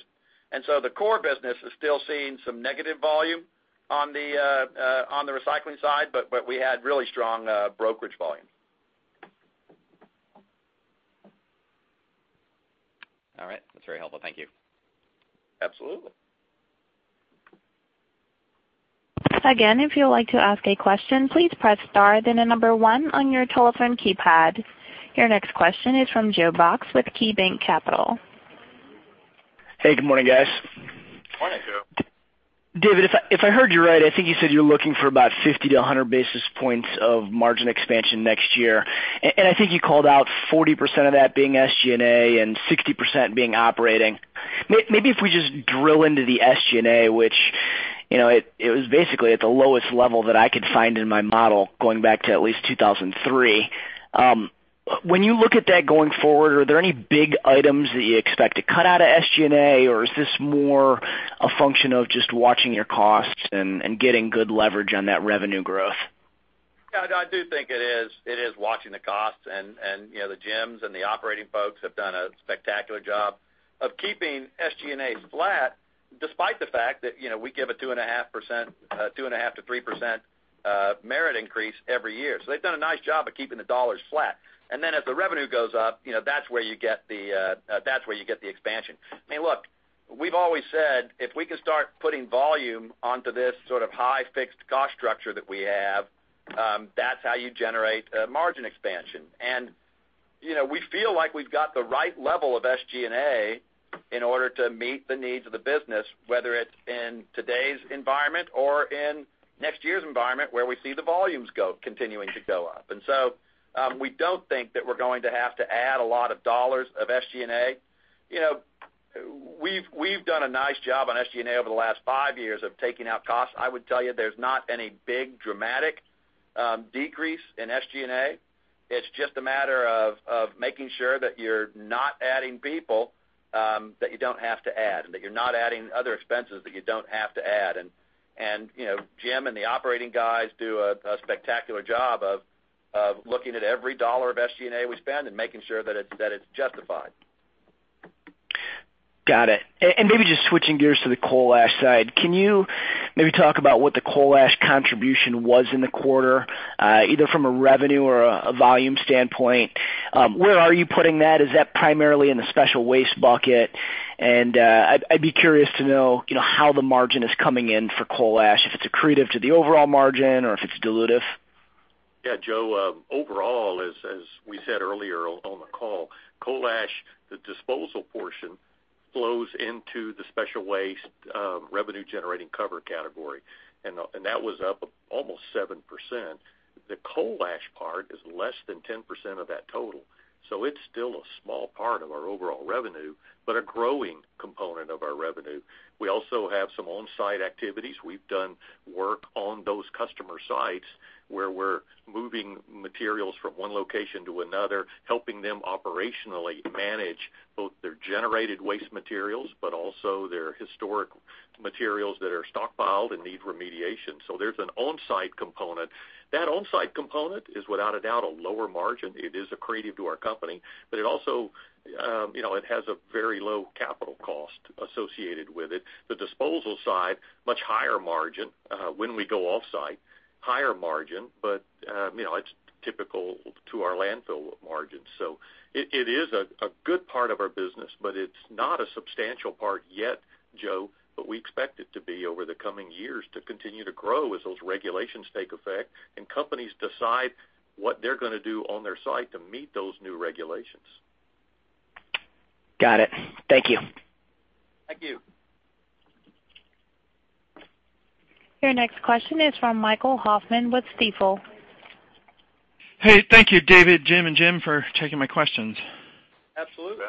The core business is still seeing some negative volume on the recycling side, but we had really strong brokerage volume. All right. That's very helpful. Thank you. Absolutely. Again, if you would like to ask a question, please press star, then the number one on your telephone keypad. Your next question is from Joe Box with KeyBanc Capital. Hey, good morning, guys. Morning, Joe. David, if I heard you right, I think you said you're looking for about 50 to 100 basis points of margin expansion next year. I think you called out 40% of that being SG&A and 60% being operating. Maybe if we just drill into the SG&A, which it was basically at the lowest level that I could find in my model, going back to at least 2003. When you look at that going forward, are there any big items that you expect to cut out of SG&A, or is this more a function of just watching your costs and getting good leverage on that revenue growth? I do think it is watching the costs. The Jims and the operating folks have done a spectacular job of keeping SG&A flat despite the fact that we give a 2.5%-3% merit increase every year. They've done a nice job of keeping the dollars flat. Then as the revenue goes up, that's where you get the expansion. Look, we've always said, if we can start putting volume onto this sort of high fixed cost structure that we have, that's how you generate margin expansion. We feel like we've got the right level of SG&A in order to meet the needs of the business, whether it's in today's environment or in next year's environment, where we see the volumes continuing to go up. We don't think that we're going to have to add a lot of dollars of SG&A. We've done a nice job on SG&A over the last five years of taking out costs. I would tell you, there's not any big dramatic decrease in SG&A. It's just a matter of making sure that you're not adding people that you don't have to add, and that you're not adding other expenses that you don't have to add. Jim and the operating guys do a spectacular job of looking at every dollar of SG&A we spend and making sure that it's justified. Got it. Maybe just switching gears to the coal ash side. Can you maybe talk about what the coal ash contribution was in the quarter, either from a revenue or a volume standpoint? Where are you putting that? Is that primarily in the special waste bucket? I'd be curious to know how the margin is coming in for coal ash, if it's accretive to the overall margin or if it's dilutive. Joe, overall, as we said earlier on the call, coal ash, the disposal portion, flows into the special waste revenue generating cover category. That was up almost 7%. The coal ash part is less than 10% of that total. It's still a small part of our overall revenue, but a growing component of our revenue. We also have some on-site activities. We've done work on those customer sites where we're moving materials from one location to another, helping them operationally manage both their generated waste materials, but also their historic materials that are stockpiled and need remediation. There's an on-site component. That on-site component is without a doubt a lower margin. It is accretive to our company, but it also has a very low capital cost associated with it. The disposal side, much higher margin. When we go off-site, higher margin, but it's typical to our landfill margins. It is a good part of our business, but it's not a substantial part yet, Joe, but we expect it to be over the coming years to continue to grow as those regulations take effect and companies decide what they're going to do on their site to meet those new regulations. Got it. Thank you. Thank you. Your next question is from Michael Hoffman with Stifel. Hey, thank you, David, Jim, and Jim for taking my questions. Absolutely.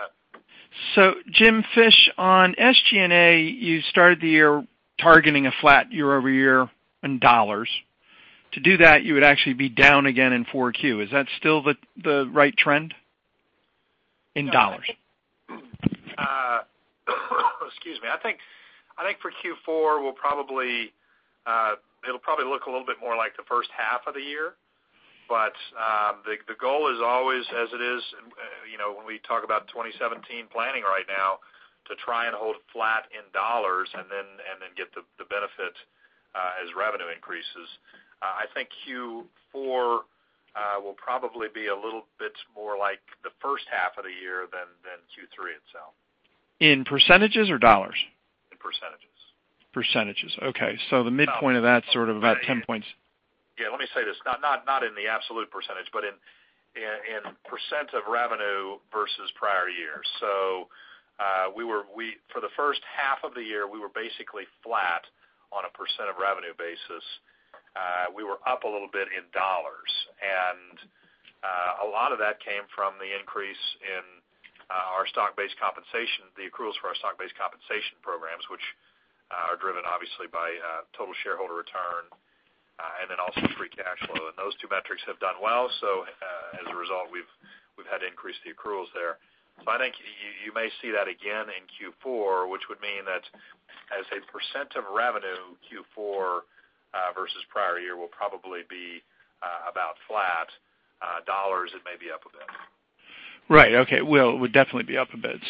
Jim Fish, on SG&A, you started the year targeting a flat year-over-year in dollars. To do that, you would actually be down again in 4Q. Is that still the right trend in dollars? Excuse me. I think for Q4, it'll probably look a little bit more like the first half of the year. The goal is always as it is when we talk about 2017 planning right now, to try and hold flat in dollars and then get the benefit as revenue increases. I think Q4 will probably be a little bit more like the first half of the year than Q3 itself. In percentages or dollars? In %.%. Okay. The midpoint of that sort of about 10 points. Yeah. Let me say this. Not in the absolute %, but in % of revenue versus prior year. For the first half of the year, we were basically flat on a % of revenue basis. We were up a little bit in $, and a lot of that came from the increase in the accruals for our stock-based compensation programs, which are driven obviously by total shareholder return, and then also free cash flow. Those two metrics have done well. As a result, we've had to increase the accruals there. I think you may see that again in Q4, which would mean that as a % of revenue, Q4 versus prior year will probably be about flat. $, it may be up a bit. Right. Okay. Well, it would definitely be up a bit.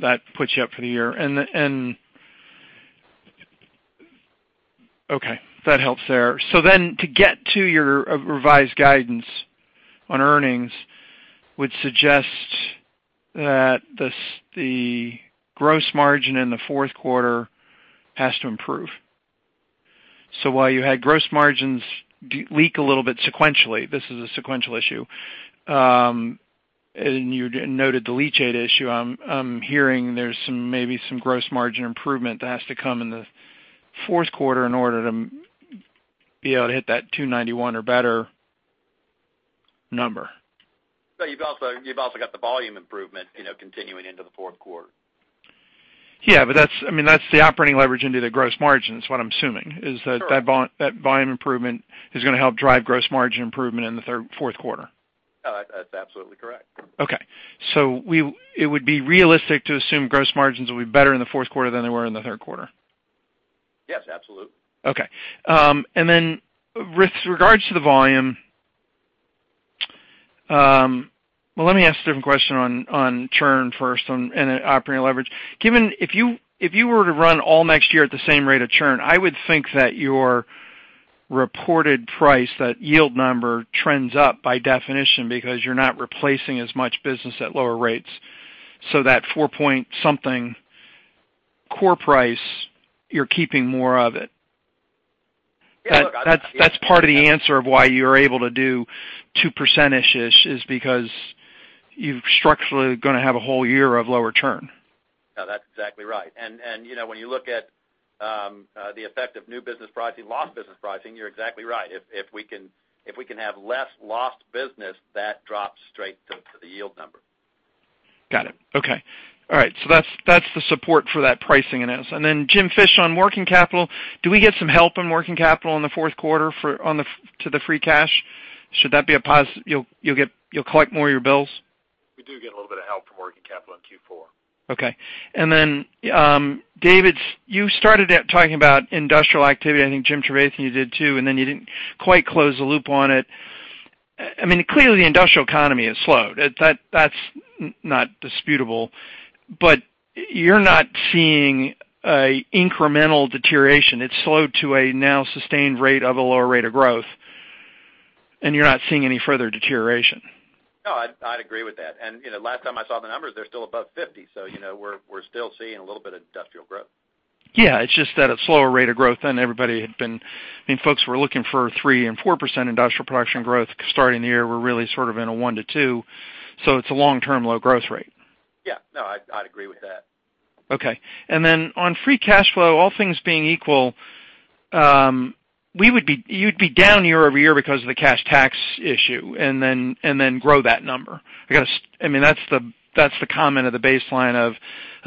That puts you up for the year. Okay. That helps there. To get to your revised guidance on earnings would suggest that the gross margin in the fourth quarter has to improve. While you had gross margins leak a little bit sequentially, this is a sequential issue. You noted the leachate issue. I'm hearing there's maybe some gross margin improvement that has to come in the fourth quarter in order to be able to hit that $291 or better number. You've also got the volume improvement continuing into the fourth quarter. Yeah, that's the operating leverage into the gross margin is what I'm assuming. Sure. Is that volume improvement is going to help drive gross margin improvement in the fourth quarter. No, that's absolutely correct. Okay. It would be realistic to assume gross margins will be better in the fourth quarter than they were in the third quarter. Yes, absolutely. Okay. With regards to the volume, let me ask a different question on churn first and operating leverage. If you were to run all next year at the same rate of churn, I would think that your reported price, that yield number trends up by definition because you're not replacing as much business at lower rates. That four point something core price, you're keeping more of it. Yeah, look. That's part of the answer of why you're able to do two percentage-ish, is because you're structurally going to have a whole year of lower churn. No, that's exactly right. When you look at the effect of new business pricing, lost business pricing, you're exactly right. If we can have less lost business, that drops straight to the yield number. Got it. Okay. All right. That's the support for that pricing announce. Then Jim Fish, on working capital, do we get some help on working capital in the fourth quarter to the free cash? Should that be a positive, you'll collect more of your bills? We do get a little bit of help from working capital in Q4. Okay. David, you started talking about industrial activity, I think Jim Trevathan, you did too, you didn't quite close the loop on it. Clearly, industrial economy has slowed. That's not disputable, but you're not seeing a incremental deterioration. It's slowed to a now sustained rate of a lower rate of growth, and you're not seeing any further deterioration. No, I'd agree with that. Last time I saw the numbers, they're still above 50. We're still seeing a little bit of industrial growth. Yeah, it's just at a slower rate of growth than everybody. Folks were looking for 3% and 4% industrial production growth starting the year. We're really sort of in a 1%-2%, it's a long-term low growth rate. Yeah. No, I'd agree with that. Okay. On free cash flow, all things being equal, you'd be down year-over-year because of the cash tax issue. Then grow that number. That's the comment of the baseline of $1.45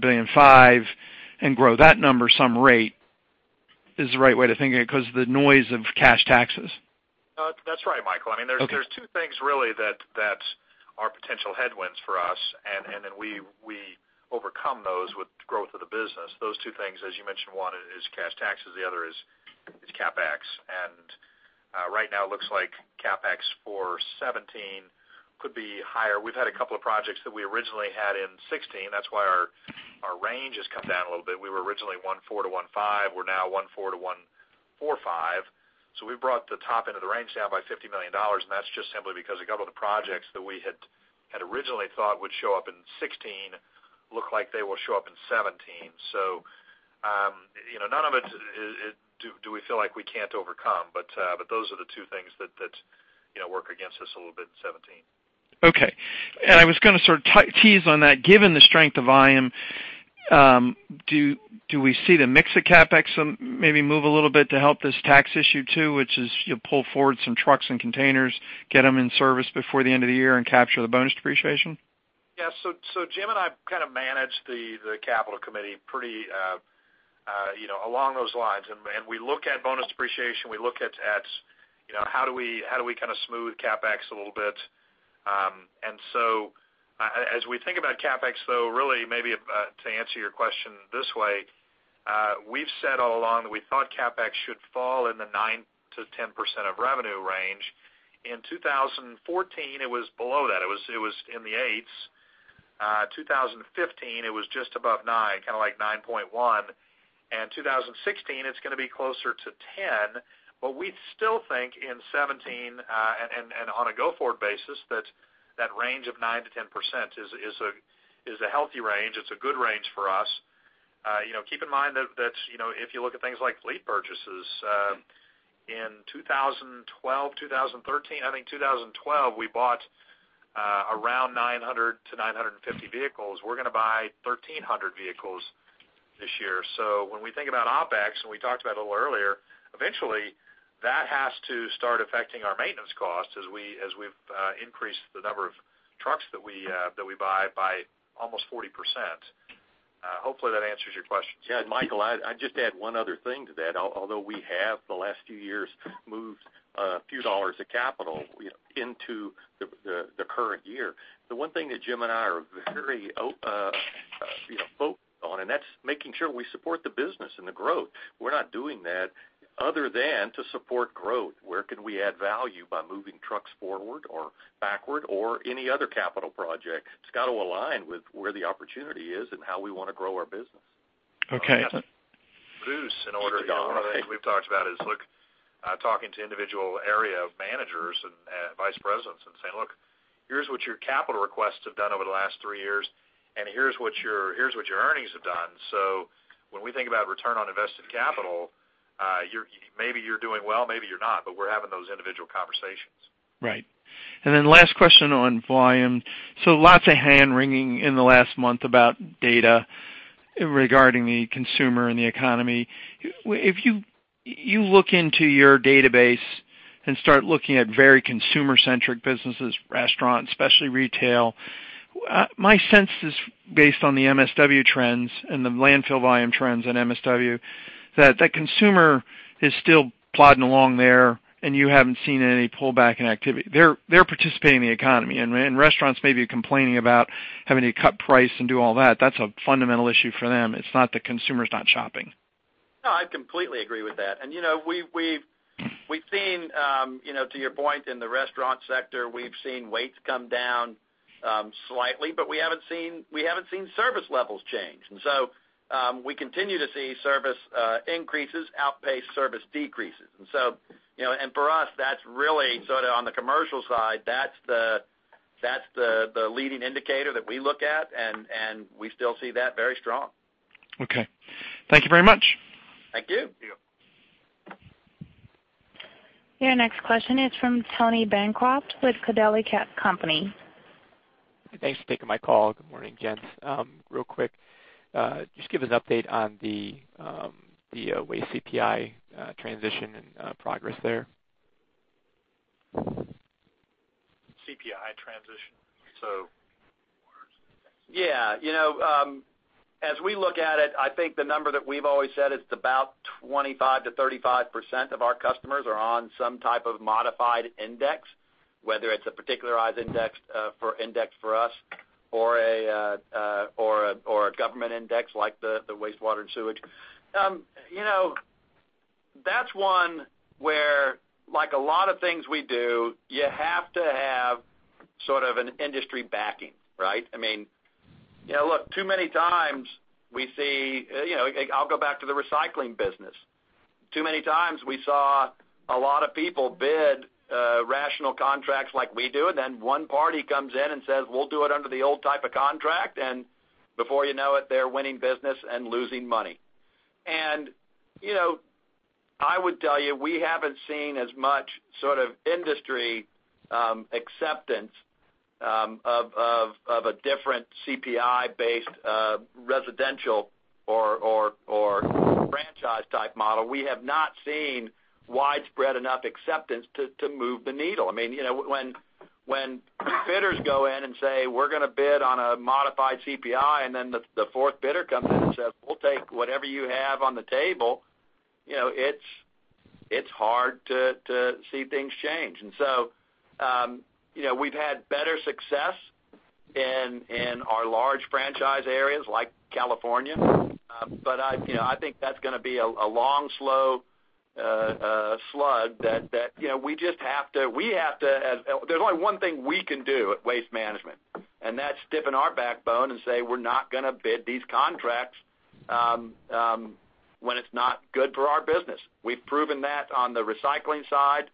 billion-$1.5 billion. Grow that number some rate is the right way to think of it because the noise of cash taxes. That's right, Michael. Okay. There are two things really that are potential headwinds for us. Then we overcome those with growth of the business. Those two things, as you mentioned, one is cash taxes, the other is CapEx. Right now it looks like CapEx for 2017 could be higher. We've had a couple of projects that we originally had in 2016. That's why our range has come down a little bit. We were originally $1.4 billion to $1.5 billion. We're now $1.4 billion to $1.45 billion. We've brought the top end of the range down by $50 million. That's just simply because a couple of the projects that we had originally thought would show up in 2016 look like they will show up in 2017. None of it do we feel like we can't overcome, but those are the two things that work against us a little bit in 2017. Okay. I was going to sort of tease on that. Given the strength of volume, do we see the mix of CapEx maybe move a little bit to help this tax issue too, which is you pull forward some trucks and containers, get them in service before the end of the year and capture the bonus depreciation? Yeah. Jim and I kind of manage the capital committee along those lines. We look at bonus depreciation. We look at how do we kind of smooth CapEx a little bit. As we think about CapEx, though, really maybe to answer your question this way, we've said all along that we thought CapEx should fall in the 9%-10% of revenue range. In 2014, it was below that. It was in the eights. 2015, it was just above 9%, kind of like 9.1%. 2016, it's going to be closer to 10%. We still think in 2017, and on a go forward basis, that range of 9%-10% is a healthy range. It's a good range for us. Keep in mind that if you look at things like fleet purchases, in 2012, 2013, I think 2012, we bought around 900 to 950 vehicles. We're going to buy 1,300 vehicles this year. When we think about OpEx, and we talked about it a little earlier, eventually that has to start affecting our maintenance costs as we've increased the number of trucks that we buy by almost 40%. Hopefully that answers your question. Yeah, Michael, I'd just add one other thing to that. Although we have, the last few years, moved a few dollars of capital into the current year, the one thing that Jim and I are very focused on, and that's making sure we support the business and the growth. We're not doing that- Other than to support growth, where can we add value by moving trucks forward or backward or any other capital project? It's got to align with where the opportunity is and how we want to grow our business. Okay. Bruce, one of the things we've talked about is talking to individual area managers and vice presidents and saying, "Look, here's what your capital requests have done over the last three years, and here's what your earnings have done." When we think about return on invested capital, maybe you're doing well, maybe you're not, but we're having those individual conversations. Right. Last question on volume. Lots of hand-wringing in the last month about data regarding the consumer and the economy. If you look into your database and start looking at very consumer-centric businesses, restaurants, especially retail, my sense is based on the MSW trends and the landfill volume trends in MSW, that that consumer is still plodding along there, and you haven't seen any pullback in activity. They're participating in the economy. Restaurants may be complaining about having to cut price and do all that. That's a fundamental issue for them. It's not the consumer's not shopping. No, I completely agree with that. We've seen, to your point, in the restaurant sector, we've seen weights come down slightly, but we haven't seen service levels change. We continue to see service increases outpace service decreases. For us, that's really sort of on the commercial side, that's the leading indicator that we look at, and we still see that very strong. Okay. Thank you very much. Thank you. Thank you. Your next question is from Tony Bancroft with Gabelli & Company. Thanks for taking my call. Good morning, gents. Real quick, just give us an update on the waste CPI transition and progress there. CPI transition, so. Yeah. As we look at it, I think the number that we've always said is about 25%-35% of our customers are on some type of modified index, whether it's a particularized index for us or a government index like the wastewater and sewage. That's one where, like a lot of things we do, you have to have sort of an industry backing, right? Too many times we see. I'll go back to the recycling business. Too many times we saw a lot of people bid rational contracts like we do, and then one party comes in and says, "We'll do it under the old type of contract." Before you know it, they're winning business and losing money. I would tell you, we haven't seen as much sort of industry acceptance of a different CPI-based residential or franchise-type model. We have not seen widespread enough acceptance to move the needle. When bidders go in and say, "We're going to bid on a modified CPI," then the fourth bidder comes in and says, "We'll take whatever you have on the table," it's hard to see things change. We've had better success in our large franchise areas like California. I think that's going to be a long, slow slug. There's only one thing we can do at Waste Management, and that's stiffen our backbone and say, "We're not going to bid these contracts when it's not good for our business." We've proven that on the recycling side.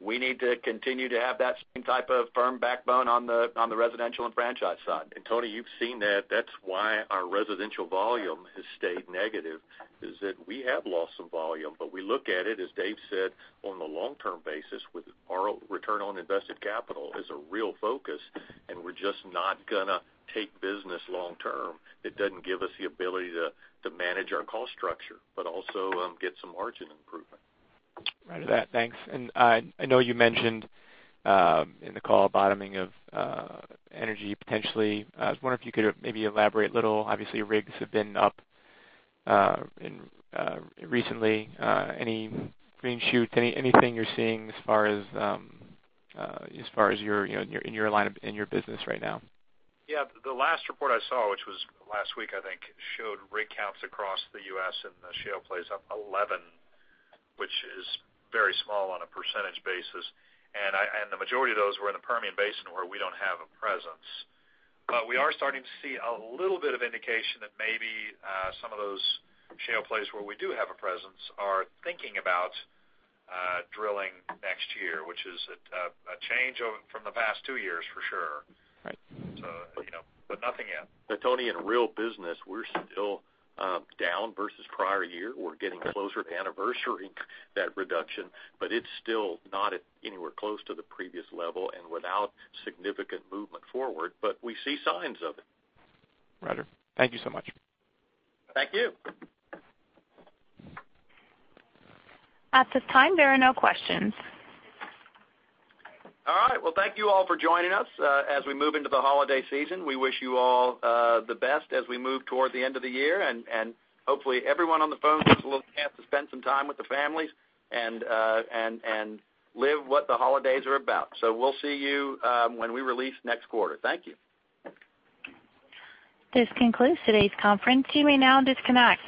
We need to continue to have that same type of firm backbone on the residential and franchise side. Tony, you've seen that that's why our residential volume has stayed negative, is that we have lost some volume. We look at it, as Dave said, on the long-term basis with our return on invested capital as a real focus, and we're just not going to take business long term that doesn't give us the ability to manage our cost structure, but also get some margin improvement. Roger that. Thanks. I know you mentioned in the call bottoming of energy potentially. I was wondering if you could maybe elaborate a little. Obviously, rigs have been up recently. Any green shoots, anything you're seeing as far as in your line of business right now? Yeah. The last report I saw, which was last week, I think, showed rig counts across the U.S. and the shale plays up 11, which is very small on a percentage basis. The majority of those were in the Permian Basin, where we don't have a presence. We are starting to see a little bit of indication that maybe some of those shale plays where we do have a presence are thinking about drilling next year, which is a change from the past two years, for sure. Right. Nothing yet. Tony, in real business, we're still down versus prior year. We're getting closer to anniversary that reduction, but it's still not at anywhere close to the previous level and without significant movement forward, but we see signs of it. Rodger. Thank you so much. Thank you. At this time, there are no questions. All right. Well, thank you all for joining us. As we move into the holiday season, we wish you all the best as we move toward the end of the year. Hopefully, everyone on the phone gets a little chance to spend some time with the families and live what the holidays are about. We'll see you when we release next quarter. Thank you. This concludes today's conference. You may now disconnect.